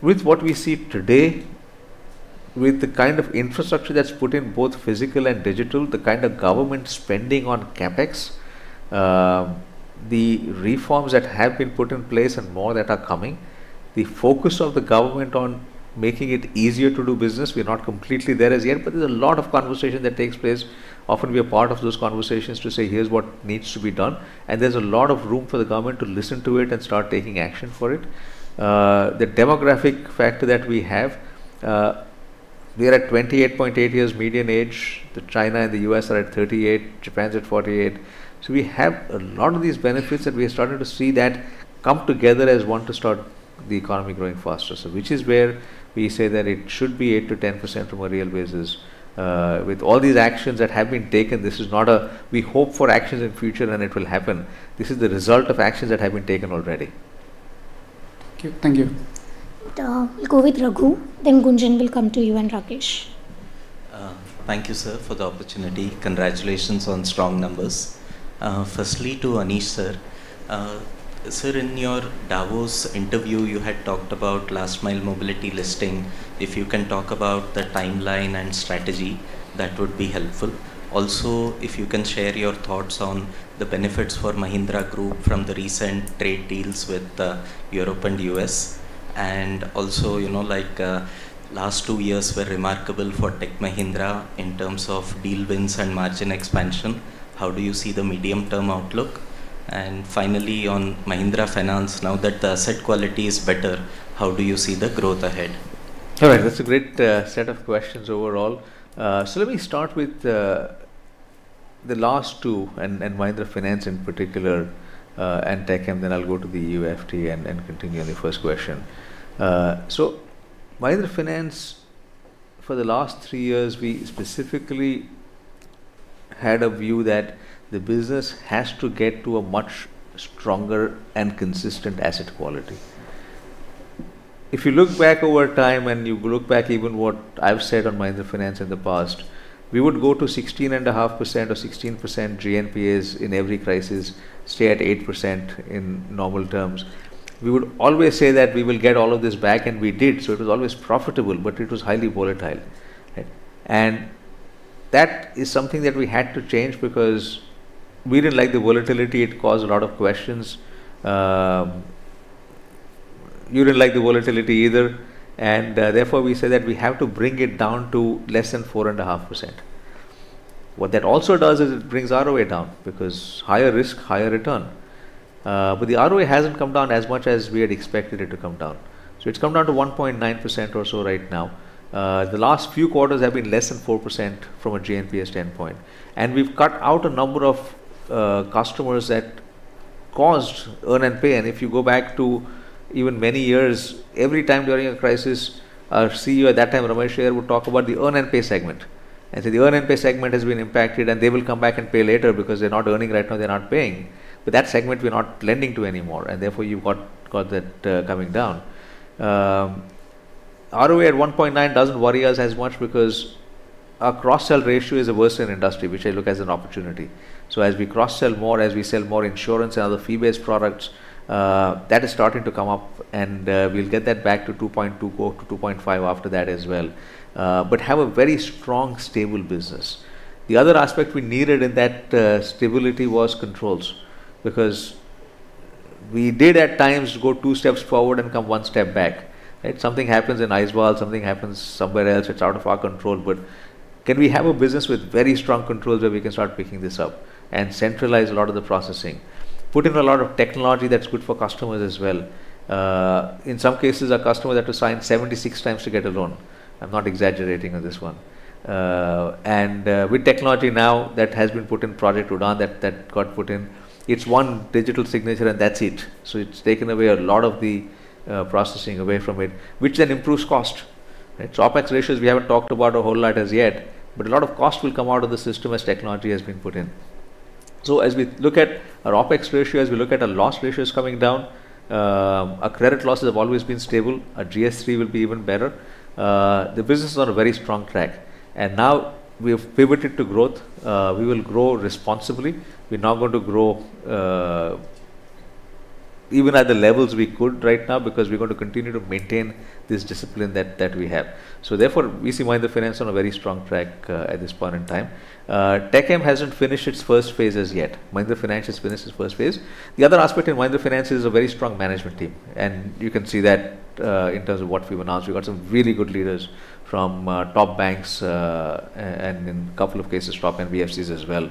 with what we see today, with the kind of infrastructure that's put in, both physical and digital, the kind of government spending on CapEx, the reforms that have been put in place and more that are coming, the focus of the government on making it easier to do business, we're not completely there as yet. But there's a lot of conversation that takes place. Often, we are part of those conversations to say, "Here's what needs to be done." And there's a lot of room for the government to listen to it and start taking action for it. The demographic factor that we have, we are at 28.8 years median age. China and the US are at 38. Japan's at 48. So we have a lot of these benefits, and we are starting to see that come together as one to start the economy growing faster. So which is where we say that it should be 8%-10% from a real basis. With all these actions that have been taken, this is not a we hope for actions in the future, and it will happen. This is the result of actions that have been taken already. Thank you. Thank you. And, you'll go with Raghu, then Gunjan will come to you and Rakesh. Thank you, sir, for the opportunity. Congratulations on strong numbers. Firstly to Anish, sir. Sir, in your Davos interview, you had talked about last-mile mobility listing. If you can talk about the timeline and strategy, that would be helpful. Also, if you can share your thoughts on the benefits for Mahindra Group from the recent trade deals with Europe and the U.S. Also, you know, like, last two years were remarkable for Tech Mahindra in terms of deal wins and margin expansion. How do you see the medium-term outlook? And finally, on Mahindra Finance, now that the asset quality is better, how do you see the growth ahead? All right. That's a great set of questions overall. Let me start with the last two, and Mahindra Finance in particular, and TechM, then I'll go to the EU FTA and continue on the first question. Mahindra Finance, for the last three years, we specifically had a view that the business has to get to a much stronger and consistent asset quality. If you look back over time and you look back even what I've said on Mahindra Finance in the past, we would go to 16.5% or 16% GNPAs in every crisis, stay at 8% in normal terms. We would always say that we will get all of this back, and we did. So it was always profitable, but it was highly volatile, right? And that is something that we had to change because we didn't like the volatility. It caused a lot of questions. You didn't like the volatility either. And, therefore, we said that we have to bring it down to less than 4.5%. What that also does is it brings ROA down because higher risk, higher return. But the ROA hasn't come down as much as we had expected it to come down. So it's come down to 1.9% or so right now. The last few quarters have been less than 4% from a GNP standpoint. And we've cut out a number of customers that caused earn and pay. And if you go back to even many years, every time during a crisis, our CEO at that time, Ramesh Iyer, would talk about the earn and pay segment and say, "The earn and pay segment has been impacted, and they will come back and pay later because they're not earning right now. They're not paying." But that segment, we're not lending to anymore. And therefore, you've got that coming down. ROA at 1.9% doesn't worry us as much because our cross-sell ratio is worse in industry, which I look as an opportunity. So as we cross-sell more, as we sell more insurance and other fee-based products, that is starting to come up. We'll get that back to 2.2%, go up to 2.5% after that as well, but have a very strong, stable business. The other aspect we needed in that stability was controls because we did at times go two steps forward and come one step back, right? Something happens in Aizawl, something happens somewhere else. It's out of our control. But can we have a business with very strong controls where we can start picking this up and centralize a lot of the processing, put in a lot of technology that's good for customers as well? In some cases, our customer had to sign 76 times to get a loan. I'm not exaggerating on this one. With technology now that has been put in, Project Udaan that that got put in, it's one digital signature, and that's it. So it's taken away a lot of the processing away from it, which then improves cost, right? So OpEx ratios, we haven't talked about a whole lot as yet, but a lot of cost will come out of the system as technology has been put in. So as we look at our OpEx ratio, as we look at our loss ratios coming down, our credit losses have always been stable. Our GS3 will be even better. The business is on a very strong track. Now we have pivoted to growth. We will grow responsibly. We're not going to grow, even at the levels we could right now because we're going to continue to maintain this discipline that that we have. So therefore, we see Mahindra Finance on a very strong track, at this point in time. TechM hasn't finished its first phase as yet. Mahindra Finance has finished its first phase. The other aspect in Mahindra Finance is a very strong management team. And you can see that, in terms of what we've announced, we've got some really good leaders from top banks, and in a couple of cases, top NBFCs as well.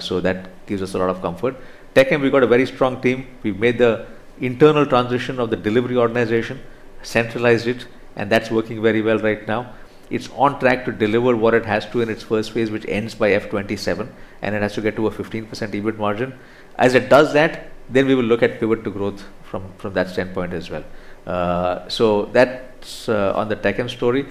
So that gives us a lot of comfort. TechM, we've got a very strong team. We've made the internal transition of the delivery organization, centralized it, and that's working very well right now. It's on track to deliver what it has to in its first phase, which ends by F27, and it has to get to a 15% EBIT margin. As it does that, then we will look at pivot to growth from that standpoint as well. So that's on the TechM story.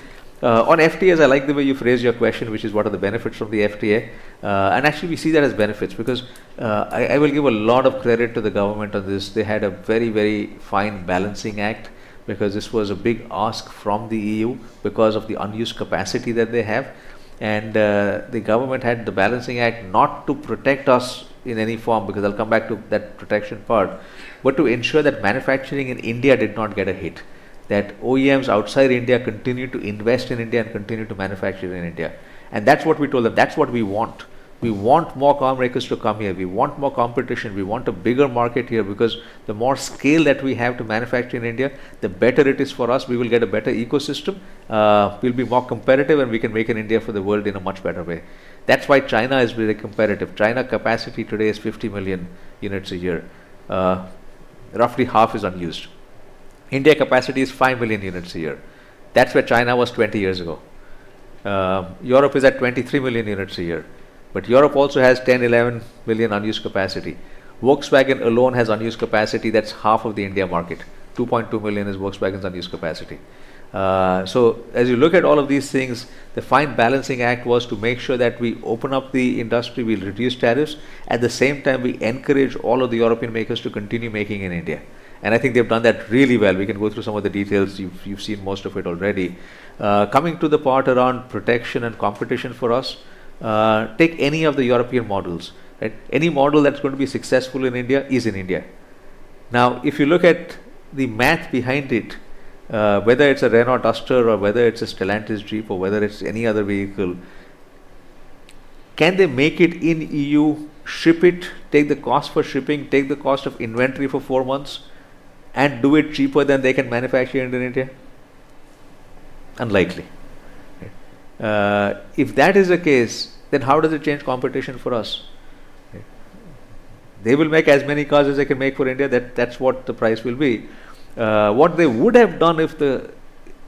On FTA, as I like the way you phrased your question, which is what are the benefits from the FTA? And actually, we see that as benefits because I will give a lot of credit to the government on this. They had a very, very fine balancing act because this was a big ask from the EU because of the unused capacity that they have. And the government had the balancing act not to protect us in any form because I'll come back to that protection part, but to ensure that manufacturing in India did not get a hit, that OEMs outside India continued to invest in India and continue to manufacture in India. And that's what we told them. That's what we want. We want more car makers to come here. We want more competition. We want a bigger market here because the more scale that we have to manufacture in India, the better it is for us. We will get a better ecosystem. We'll be more competitive, and we can make an India for the world in a much better way. That's why China has been a competitive. China capacity today is 50 million units a year. Roughly half is unused. India capacity is five million units a year. That's where China was 20 years ago. Europe is at 23 million units a year. But Europe also has 10-11 million unused capacity. Volkswagen alone has unused capacity. That's half of the India market. 2.2 million is Volkswagen's unused capacity. So as you look at all of these things, the fine balancing act was to make sure that we open up the industry. We'll reduce tariffs. At the same time, we encourage all of the European makers to continue making in India. And I think they've done that really well. We can go through some of the details. You've seen most of it already. Coming to the part around protection and competition for us, take any of the European models, right? Any model that's going to be successful in India is in India. Now, if you look at the math behind it, whether it's a Renault Duster or whether it's a Stellantis Jeep or whether it's any other vehicle, can they make it in EU, ship it, take the cost for shipping, take the cost of inventory for four months, and do it cheaper than they can manufacture in India? Unlikely, right? If that is the case, then how does it change competition for us? Right? They will make as many cars as they can make for India. That's what the price will be. What they would have done if the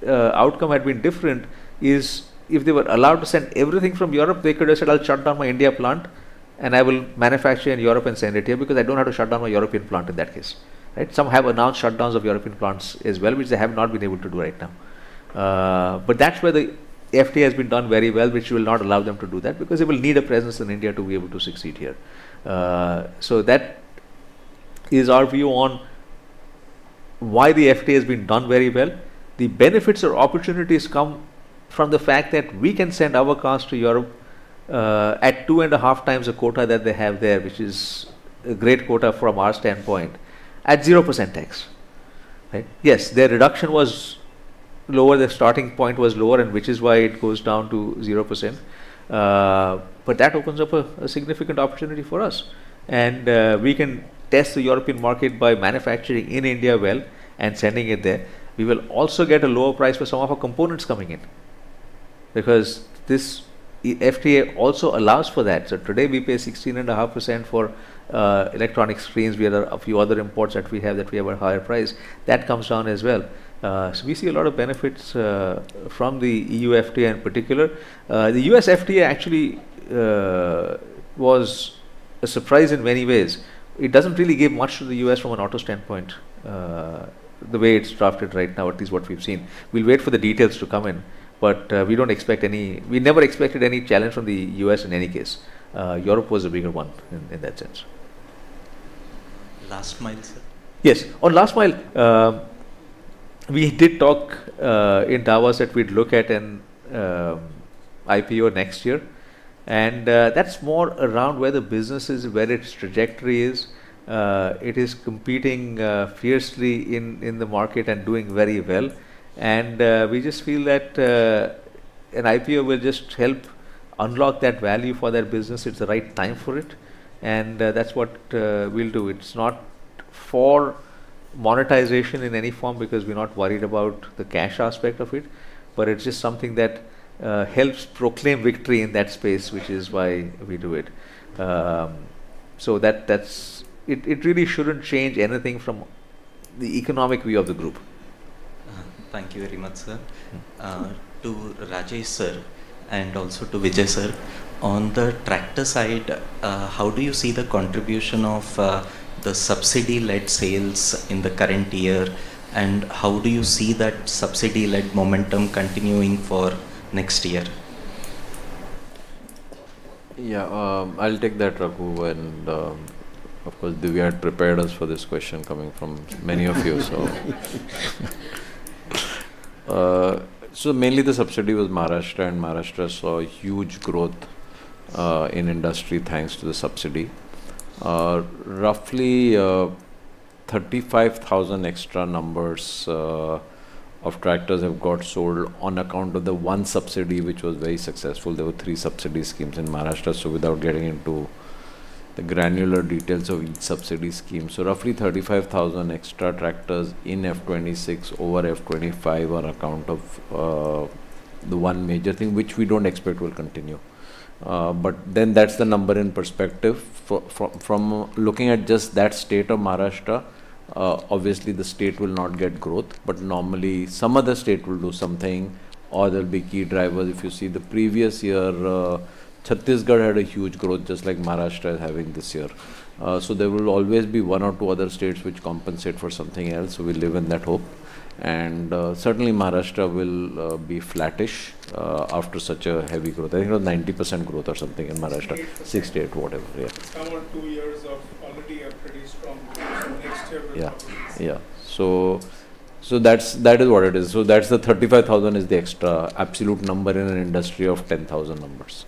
outcome had been different is if they were allowed to send everything from Europe, they could have said, "I'll shut down my India plant, and I will manufacture in Europe and send it here because I don't have to shut down my European plant in that case," right? Some have announced shutdowns of European plants as well, which they have not been able to do right now. But that's where the FTA has been done very well, which will not allow them to do that because they will need a presence in India to be able to succeed here. So that is our view on why the FTA has been done very well. The benefits or opportunities come from the fact that we can send our cars to Europe, at 2.5x the quota that they have there, which is a great quota from our standpoint, at 0% tax, right? Yes, their reduction was lower. Their starting point was lower, and which is why it goes down to 0%. But that opens up a significant opportunity for us. We can test the European market by manufacturing in India well and sending it there. We will also get a lower price for some of our components coming in because this FTA also allows for that. So today, we pay 16.5% for electronic screens. We have a few other imports that we have that we have a higher price. That comes down as well. So we see a lot of benefits from the E.U. FTA in particular. The U.S. FTA actually was a surprise in many ways. It doesn't really give much to the U.S. from an auto standpoint, the way it's drafted right now, at least what we've seen. We'll wait for the details to come in. But we don't expect any; we never expected any challenge from the U.S. in any case. Europe was a bigger one in that sense. Last mile, sir? Yes. On last mile, we did talk in Davos that we'd look at an IPO next year. That's more around where the business is, where its trajectory is. It is competing fiercely in the market and doing very well. We just feel that an IPO will just help unlock that value for that business. It's the right time for it. That's what we'll do. It's not for monetization in any form because we're not worried about the cash aspect of it, but it's just something that helps proclaim victory in that space, which is why we do it. So that's it. It really shouldn't change anything from the economic view of the group. Thank you very much, sir. To Rajesh sir and also to Vijay sir, on the tractor side, how do you see the contribution of the subsidy-led sales in the current year, and how do you see that subsidy-led momentum continuing for next year? Yeah. I'll take that, Raghu. Of course, Divya prepared us for this question coming from many of you, so mainly the subsidy was Maharashtra, and Maharashtra saw huge growth in industry thanks to the subsidy. Roughly, 35,000 extra numbers of tractors have got sold on account of the one subsidy, which was very successful. There were three subsidy schemes in Maharashtra, so without getting into the granular details of each subsidy scheme. So roughly 35,000 extra tractors in F26 over F25 on account of the one major thing, which we don't expect will continue. But then that's the number in perspective. From looking at just that state of Maharashtra, obviously, the state will not get growth, but normally, some other state will do something, or there'll be key drivers. If you see the previous year, Chhattisgarh had a huge growth, just like Maharashtra is having this year. So there will always be one or two other states which compensate for something else. So we live in that hope. And certainly, Maharashtra will be flattish, after such a heavy growth. I think it was 90% growth or something in Maharashtra, 68%, whatever, yeah. It's come on two years of already a pretty strong growth. So next year, we'll probably see. Yeah. Yeah. So so that's that is what it is. So that's the 35,000 is the extra absolute number in an industry of 10,000 numbers,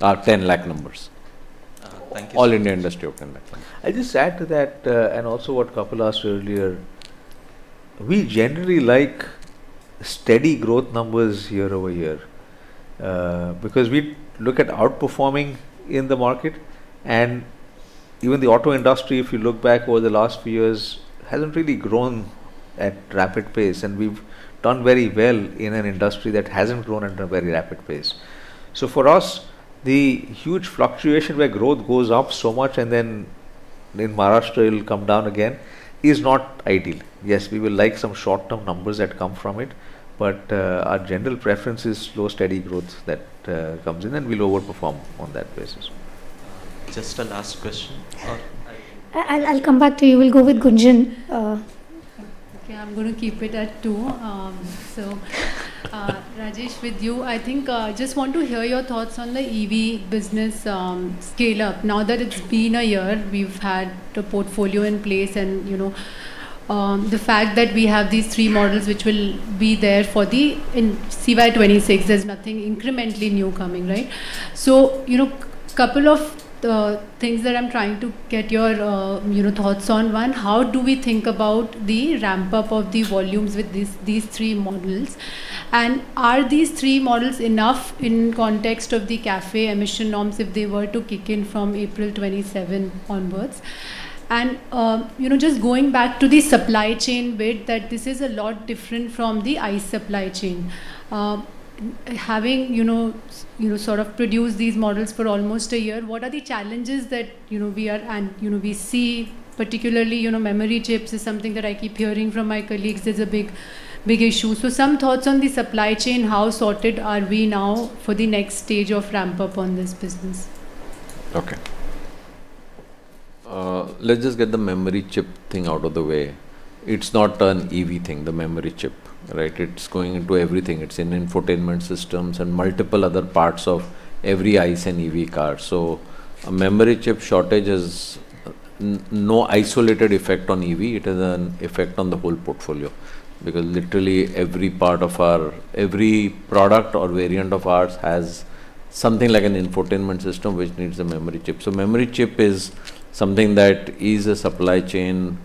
10 lakh numbers. Thank you. All India industry of 10 lakh numbers. I'll just add to that, and also what Kapil asked earlier, we generally like steady growth numbers year over year, because we look at outperforming in the market. And even the auto industry, if you look back over the last few years, hasn't really grown at rapid pace. And we've done very well in an industry that hasn't grown at a very rapid pace. So for us, the huge fluctuation where growth goes up so much and then in Maharashtra, it'll come down again is not ideal. Yes, we will like some short-term numbers that come from it, but our general preference is slow, steady growth that comes in, and we'll overperform on that basis. Just a last question, or I—I'll I'll come back to you. We'll go with Gunjan. Okay. I'm going to keep it at two. So, Rajesh, with you, I think, just want to hear your thoughts on the EV business, scale-up. Now that it's been a year, we've had a portfolio in place, and, you know, the fact that we have these three models which will be there for the in CY 2026, there's nothing incrementally new coming, right? So, you know, couple of things that I'm trying to get your, you know, thoughts on. One, how do we think about the ramp-up of the volumes with these these three models? And are these three models enough in context of the CAFE emission norms if they were to kick in from April 2027 onwards? And, you know, just going back to the supply chain bit, that this is a lot different from the ICE supply chain. Having, you know, you know, sort of produced these models for almost a year, what are the challenges that, you know, we are and, you know, we see particularly, you know, memory chips is something that I keep hearing from my colleagues. There's a big, big issue. So some thoughts on the supply chain, how sorted are we now for the next stage of ramp-up on this business? Okay. Let's just get the memory chip thing out of the way. It's not an EV thing, the memory chip, right? It's going into everything. It's in infotainment systems and multiple other parts of every ICE and EV car. So a memory chip shortage has no isolated effect on EV. It has an effect on the whole portfolio because literally every part of our every product or variant of ours has something like an infotainment system which needs a memory chip. So, memory chip is something that is a supply chain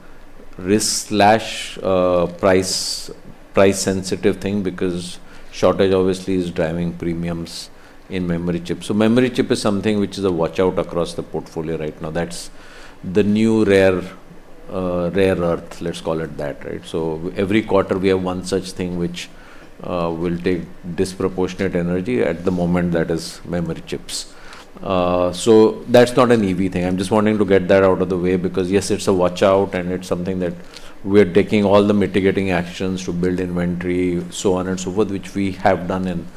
risk, price-sensitive thing because shortage obviously is driving premiums in memory chips. So, memory chip is something which is a watch-out across the portfolio right now. That's the new rare earth; let's call it that, right? So, every quarter, we have one such thing which will take disproportionate energy. At the moment, that is memory chips. So, that's not an EV thing. I'm just wanting to get that out of the way because, yes, it's a watch-out, and it's something that we're taking all the mitigating actions to build inventory, so on and so forth, which we have done in,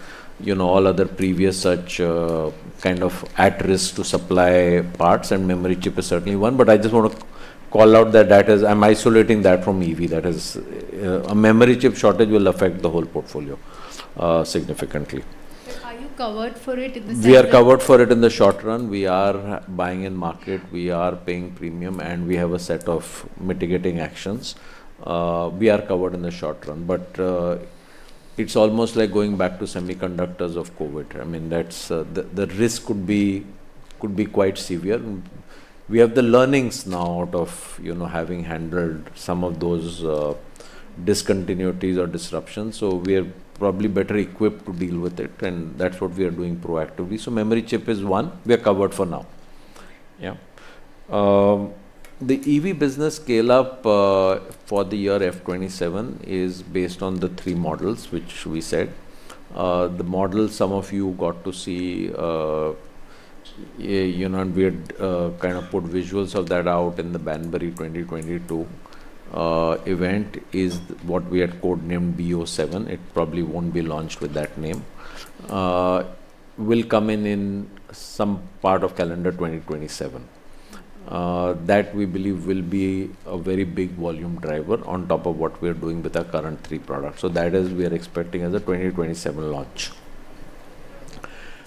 you know, all other previous such kind of at-risk-to-supply parts. And memory chip is certainly one. But I just want to call out that that is; I'm isolating that from EV. That is, a memory chip shortage will affect the whole portfolio, significantly. Are you covered for it in the sense that? We are covered for it in the short run. We are buying in market. We are paying premium. And we have a set of mitigating actions. We are covered in the short run. But, it's almost like going back to semiconductors of COVID. I mean, that's the risk could be could be quite severe. We have the learnings now out of, you know, having handled some of those, discontinuities or disruptions. So we are probably better equipped to deal with it. And that's what we are doing proactively. So memory chip is one. We are covered for now, yeah? The EV business scale-up, for the year F27 is based on the three models which we said. The model some of you got to see, you know, and we had kind of put visuals of that out in the Banbury 2022 event is what we had codenamed BO7. It probably won't be launched with that name. It will come in in some part of calendar 2027. That we believe will be a very big volume driver on top of what we are doing with our current three products. So that is we are expecting as a 2027 launch.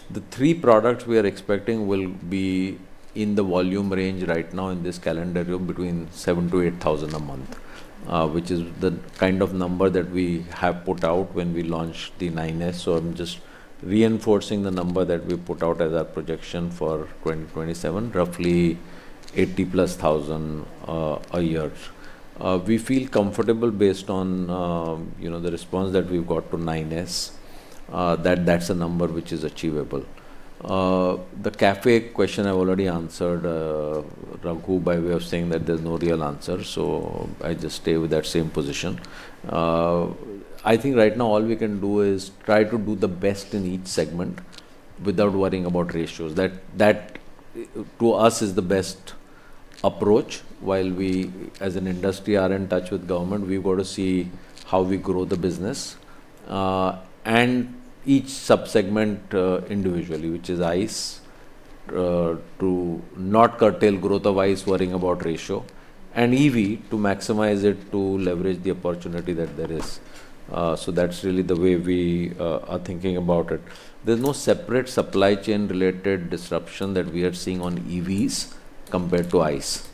The three products we are expecting will be in the volume range right now in this calendar year between 7,000-8,000 a month, which is the kind of number that we have put out when we launched the 9S. So I'm just reinforcing the number that we put out as our projection for 2027, roughly 80,000+ a year. We feel comfortable based on, you know, the response that we've got to 9S. That that's a number which is achievable. The CAFE question, I've already answered, Raghu, by way of saying that there's no real answer. So I just stay with that same position. I think right now, all we can do is try to do the best in each segment without worrying about ratios. That that to us is the best approach while we, as an industry, are in touch with government. We've got to see how we grow the business, and each subsegment, individually, which is ICE, to not curtail growth of ICE worrying about ratio, and EV to maximize it to leverage the opportunity that there is. So that's really the way we, are thinking about it. There's no separate supply chain-related disruption that we are seeing on EVs compared to ICE.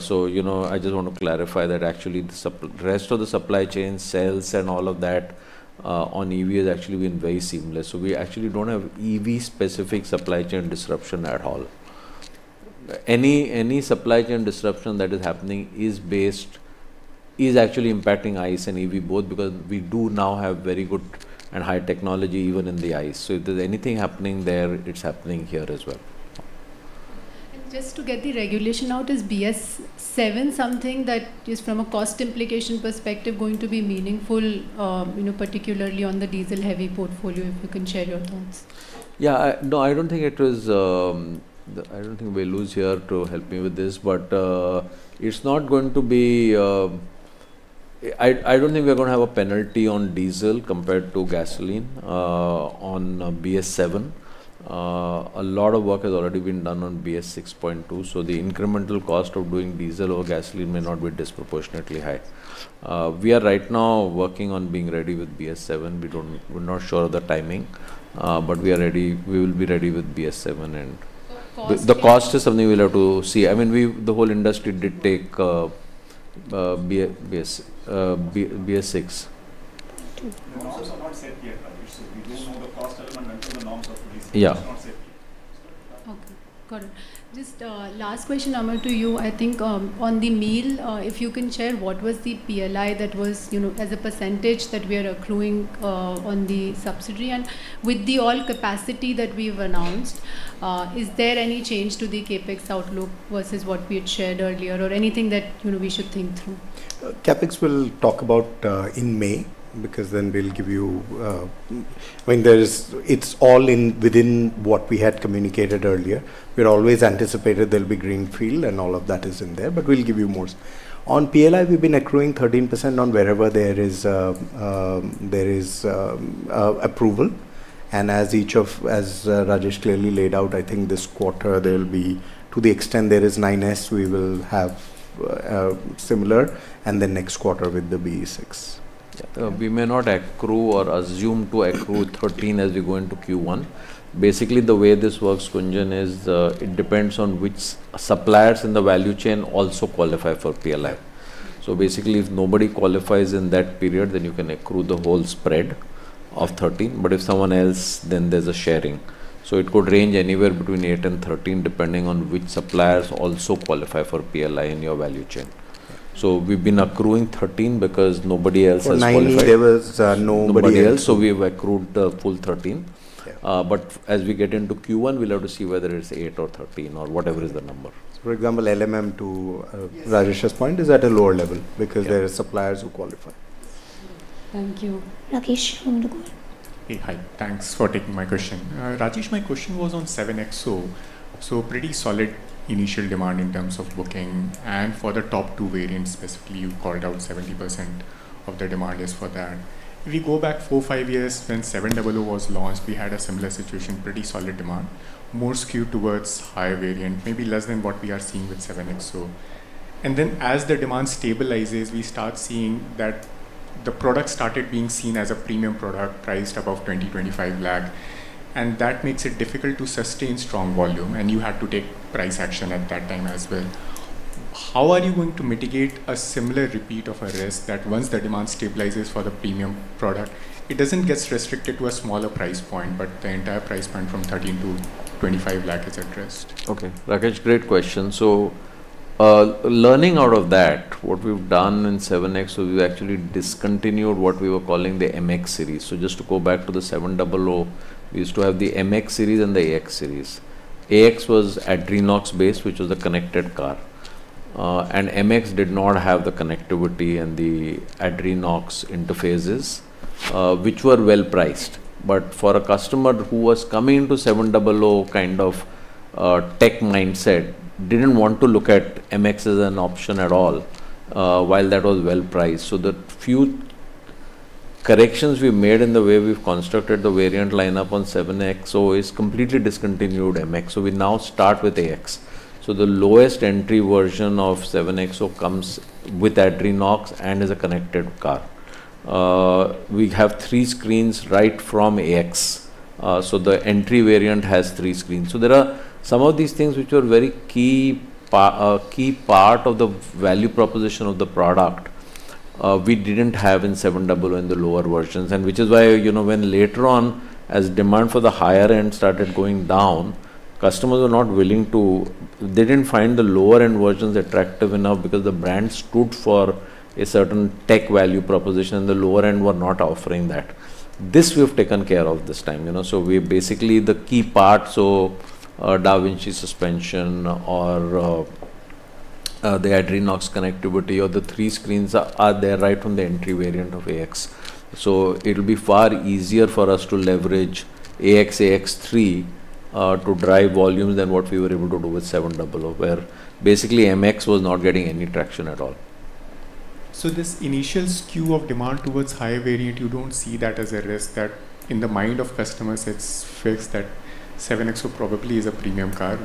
So, you know, I just want to clarify that actually, the rest of the supply chain, sales, and all of that, on EV has actually been very seamless. So we actually don't have EV-specific supply chain disruption at all. Any supply chain disruption that is happening is based is actually impacting ICE and EV both because we do now have very good and high technology even in the ICE. So if there's anything happening there, it's happening here as well. And just to get the regulation out, is BS7 something that is, from a cost implication perspective, going to be meaningful, you know, particularly on the diesel-heavy portfolio? If you can share your thoughts. Yeah. No, I don't think it was, I don't think Velusamy to help me with this. But it's not going to be. I don't think we're going to have a penalty on diesel compared to gasoline on BS7. A lot of work has already been done on BS6.2. So the incremental cost of doing diesel or gasoline may not be disproportionately high. We are right now working on being ready with BS7. We're not sure of the timing, but we are ready. We will be ready with BS7 and so cost. The cost is something we'll have to see. I mean, we, the whole industry did take BS6. Thank you. The norms are not set yet, Rajesh. So we don't know the cost element until the norms are released. It's not set yet. Okay. Got it. Just last question, Amarjyoti, to you. I think, on the MEEL, if you can share, what was the PLI that was, you know, as a percentage that we are accruing, on the subsidy? And with the all capacity that we've announced, is there any change to the CapEx outlook versus what we had shared earlier, or anything that, you know, we should think through? CapEx we'll talk about, in May because then we'll give you, I mean, there is it's all in within what we had communicated earlier. We've always anticipated there'll be greenfield, and all of that is in there. But we'll give you more. On PLI, we've been accruing 13% on wherever there is, approval. And as each of as Rajesh clearly laid out, I think this quarter, there'll be to the extent there is 9S, we will have, similar, and then next quarter with the BE 6. Yeah. We may not accrue or assume to accrue 13 as we go into Q1. Basically, the way this works, Gunjan, is it depends on which suppliers in the value chain also qualify for PLI. So basically, if nobody qualifies in that period, then you can accrue the whole spread of 13. But if someone else, then there's a sharing. So it could range anywhere between eight and 13, depending on which suppliers also qualify for PLI in your value chain. So we've been accruing 13 because nobody else has qualified. So nine, there was nobody. Nobody else. So we've accrued the full 13, but as we get into Q1, we'll have to see whether it's eight or 13 or whatever is the number. So, for example, LMM to Rajesh's point, is at a lower level because there are suppliers who qualify. Thank you. Rajesh from the call. Hey, hi. Thanks for taking my question. Rajesh, my question was on 7XO. So pretty solid initial demand in terms of booking. And for the top two variants specifically, you called out 70% of the demand is for that. If we go back four to five years, when 700 was launched, we had a similar situation, pretty solid demand, more skewed towards high variant, maybe less than what we are seeing with 7XO. And then as the demand stabilizes, we start seeing that the product started being seen as a premium product priced above 20-25 lakh. And that makes it difficult to sustain strong volume. And you had to take price action at that time as well. How are you going to mitigate a similar repeat of a risk that once the demand stabilizes for the premium product, it doesn't get restricted to a smaller price point, but the entire price point from 13-25 lakh is at risk? Okay. Rajesh, great question. So, learning out of that, what we've done in 7XO, we've actually discontinued what we were calling the MX series. So just to go back to the 700, we used to have the MX series and the AX series. AX was Adrenox-based, which was the connected car. And MX did not have the connectivity and the Adrenox interphases, which were well-priced. But for a customer who was coming into 700 kind of, tech mindset, didn't want to look at MX as an option at all, while that was well-priced. So the few corrections we made in the way we've constructed the variant lineup on XUV 3XO is completely discontinued MX. So we now start with AX. So the lowest entry version of XUV 3XO comes with Adrenox and is a connected car. We have three screens right from AX. So the entry variant has three screens. So there are some of these things which were very key part, key part of the value proposition of the product, we didn't have in XUV700 in the lower versions. And which is why, you know, when later on, as demand for the higher end started going down, customers were not willing to they didn't find the lower end versions attractive enough because the brand stood for a certain tech value proposition, and the lower end were not offering that. This we have taken care of this time, you know. So, basically, the key part, so, Da Vinci suspension or the Adrenox connectivity or the three screens are there right from the entry variant of AX. So, it'll be far easier for us to leverage AX, AX3, to drive volumes than what we were able to do with 700, where basically MX was not getting any traction at all. So, this initial skew of demand towards high variant, you don't see that as a risk that in the mind of customers, it's fixed that 7XO probably is a premium car.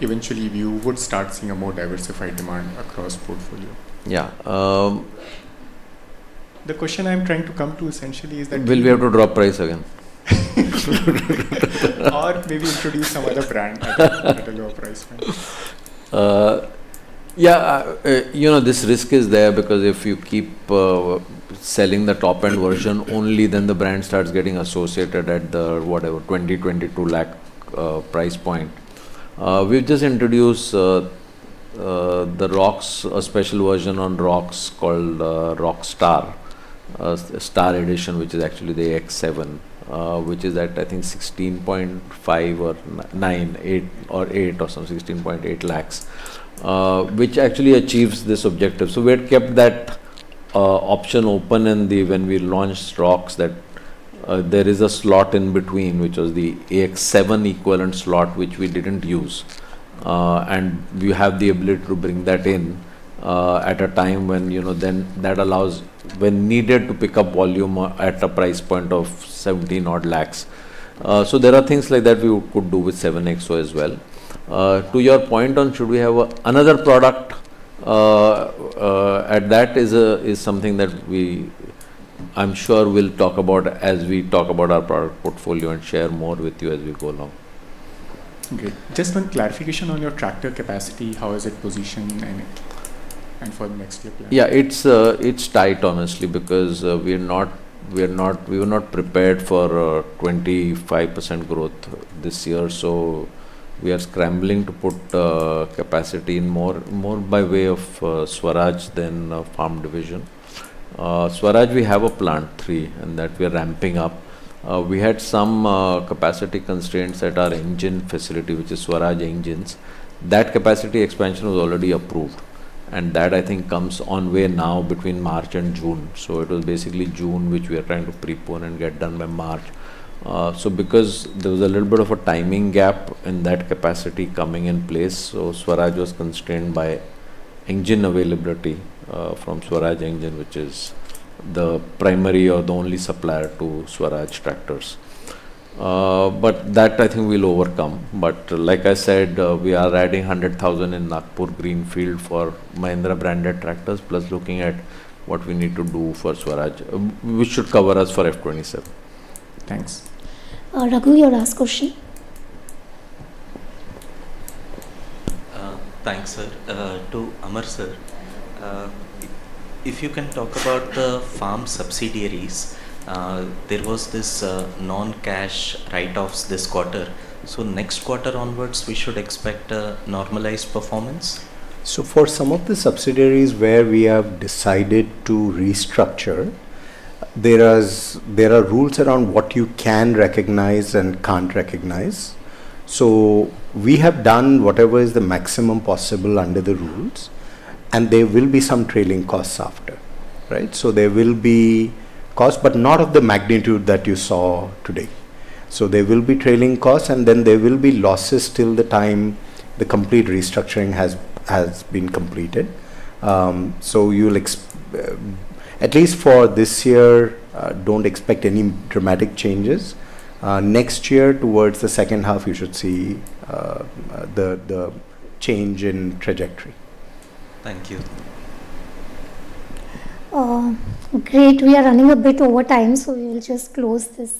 Eventually, you would start seeing a more diversified demand across portfolio. Yeah. The question I'm trying to come to essentially is that. Will we have to drop price again? Or maybe introduce some other brand at a lower price point? Yeah. You know, this risk is there because if you keep selling the top-end version only, then the brand starts getting associated at the whatever, 20 lakh-22 lakh price point. We've just introduced the Roxx special version on Roxx called Roxx Star, Star Edition, which is actually the AX7, which is at, I think, 16.5 or 16.9, 16.8 or something, 16.8 lakh, which actually achieves this objective. So we had kept that option open in the when we launched Roxx that there is a slot in between which was the AX7 equivalent slot which we didn't use. And we have the ability to bring that in at a time when, you know, then that allows when needed to pick up volume at a price point of 17-odd lakh. So there are things like that we could do with 7XO as well. To your point on should we have another product, that is something that we—I'm sure we'll talk about as we talk about our product portfolio and share more with you as we go along. Okay. Just one clarification on your tractor capacity. How is it positioned and for the next year plan? Yeah. It's tight, honestly, because we were not prepared for 25% growth this year. So we are scrambling to put capacity in, more by way of Swaraj than Farm Division. Swaraj, we have Plant 3 and that we are ramping up. We had some capacity constraints at our engine facility, which is Swaraj Engines. That capacity expansion was already approved. And that, I think, comes online now between March and June. So it was basically June which we are trying to prepone and get done by March. So because there was a little bit of a timing gap in that capacity coming in place, so Swaraj was constrained by engine availability, from Swaraj Engine, which is the primary or the only supplier to Swaraj tractors. But that, I think, we'll overcome. But like I said, we are adding 100,000 in Nagpur greenfield for Mahindra-branded tractors, plus looking at what we need to do for Swaraj, which should cover us for F27. Thanks. Raghu, your last question. Thanks, sir. To Amar, sir, if you can talk about the farm subsidiaries, there was this non-cash write-offs this quarter. So next quarter onwards, we should expect a normalized performance? So for some of the subsidiaries where we have decided to restructure, there are rules around what you can recognize and can't recognize. So we have done whatever is the maximum possible under the rules. And there will be some trailing costs after, right? So there will be costs, but not of the magnitude that you saw today. So there will be trailing costs, and then there will be losses till the time the complete restructuring has been completed. So you'll expect at least for this year, don't expect any dramatic changes. Next year, towards the second half, you should see the change in trajectory. Thank you. Great. We are running a bit over time, so we'll just close this.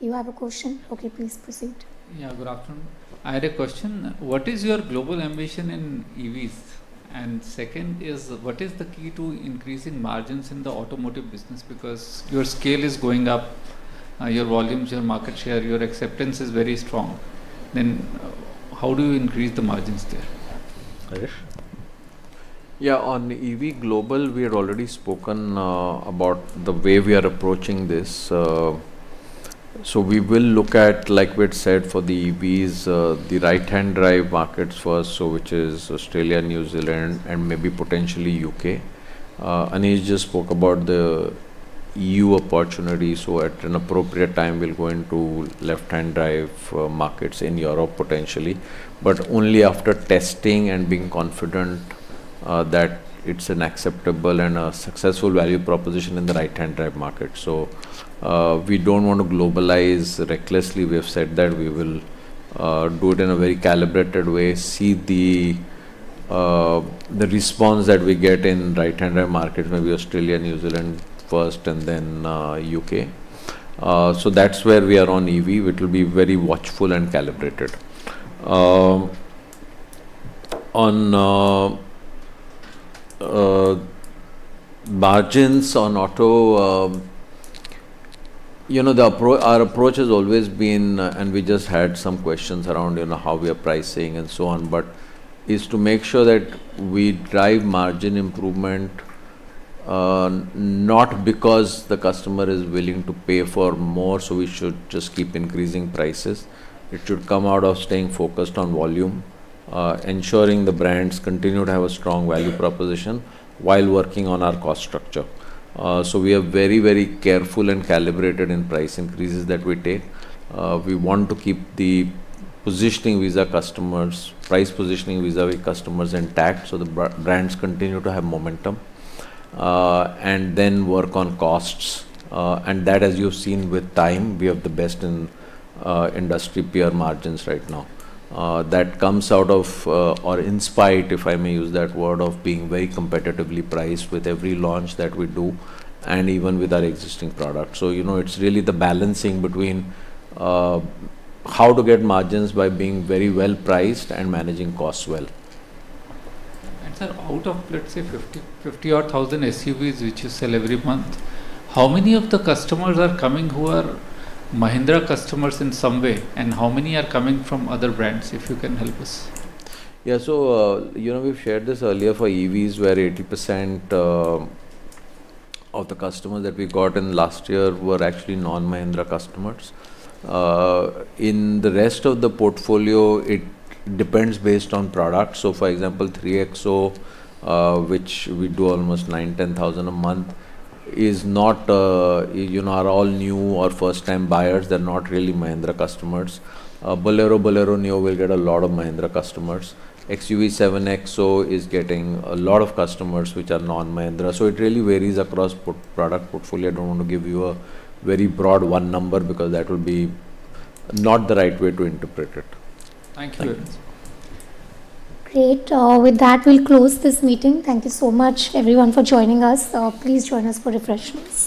You have a question? Okay. Please proceed. Yeah. Good afternoon. I had a question. What is your global ambition in EVs? And second is, what is the key to increasing margins in the automotive business because your scale is going up, your volumes, your market share, your acceptance is very strong. Then how do you increase the margins there? Rajesh? Yeah. On EV global, we had already spoken about the way we are approaching this. So we will look at, like Vejay said, for the EVs, the right-hand drive markets first, so which is Australia, New Zealand, and maybe potentially U.K. Anish just spoke about the EU opportunity. So at an appropriate time, we'll go into left-hand drive markets in Europe potentially, but only after testing and being confident that it's an acceptable and a successful value proposition in the right-hand drive market. So, we don't want to globalize recklessly. We have said that we will do it in a very calibrated way, see the, the response that we get in right-hand drive markets maybe Australia, New Zealand first, and then, U.K. So that's where we are on EV. It'll be very watchful and calibrated. On margins on auto, you know, the approach, our approach has always been, and we just had some questions around, you know, how we are pricing and so on, but is to make sure that we drive margin improvement, not because the customer is willing to pay for more, so we should just keep increasing prices. It should come out of staying focused on volume, ensuring the brands continue to have a strong value proposition while working on our cost structure. So we are very, very careful and calibrated in price increases that we take. We want to keep the positioning vis-à-vis customers, price positioning vis-à-vis customers intact so the brands continue to have momentum, and then work on costs. And that, as you've seen with time, we have the best in-industry peer margins right now. that comes out of, or inspired, if I may use that word, of being very competitively priced with every launch that we do and even with our existing products. So, you know, it's really the balancing between, how to get margins by being very well-priced and managing costs well. And, sir, out of, let's say, 50 or 1,000 SUVs which you sell every month, how many of the customers are coming who are Mahindra customers in some way, and how many are coming from other brands, if you can help us? Yeah. So, you know, we've shared this earlier for EVs where 80% of the customers that we got in last year were actually non-Mahindra customers. In the rest of the portfolio, it depends based on products. So, for example, 3XO, which we do almost 9,000-10,000 a month, is not, you know, are all new or first-time buyers. They're not really Mahindra customers. Bolero, Bolero Neo will get a lot of Mahindra customers. XUV 3XO is getting a lot of customers which are non-Mahindra. So it really varies across product portfolio. I don't want to give you a very broad one number because that will be not the right way to interpret it. Thank you. Great. With that, we'll close this meeting. Thank you so much, everyone, for joining us. Please join us for refreshments.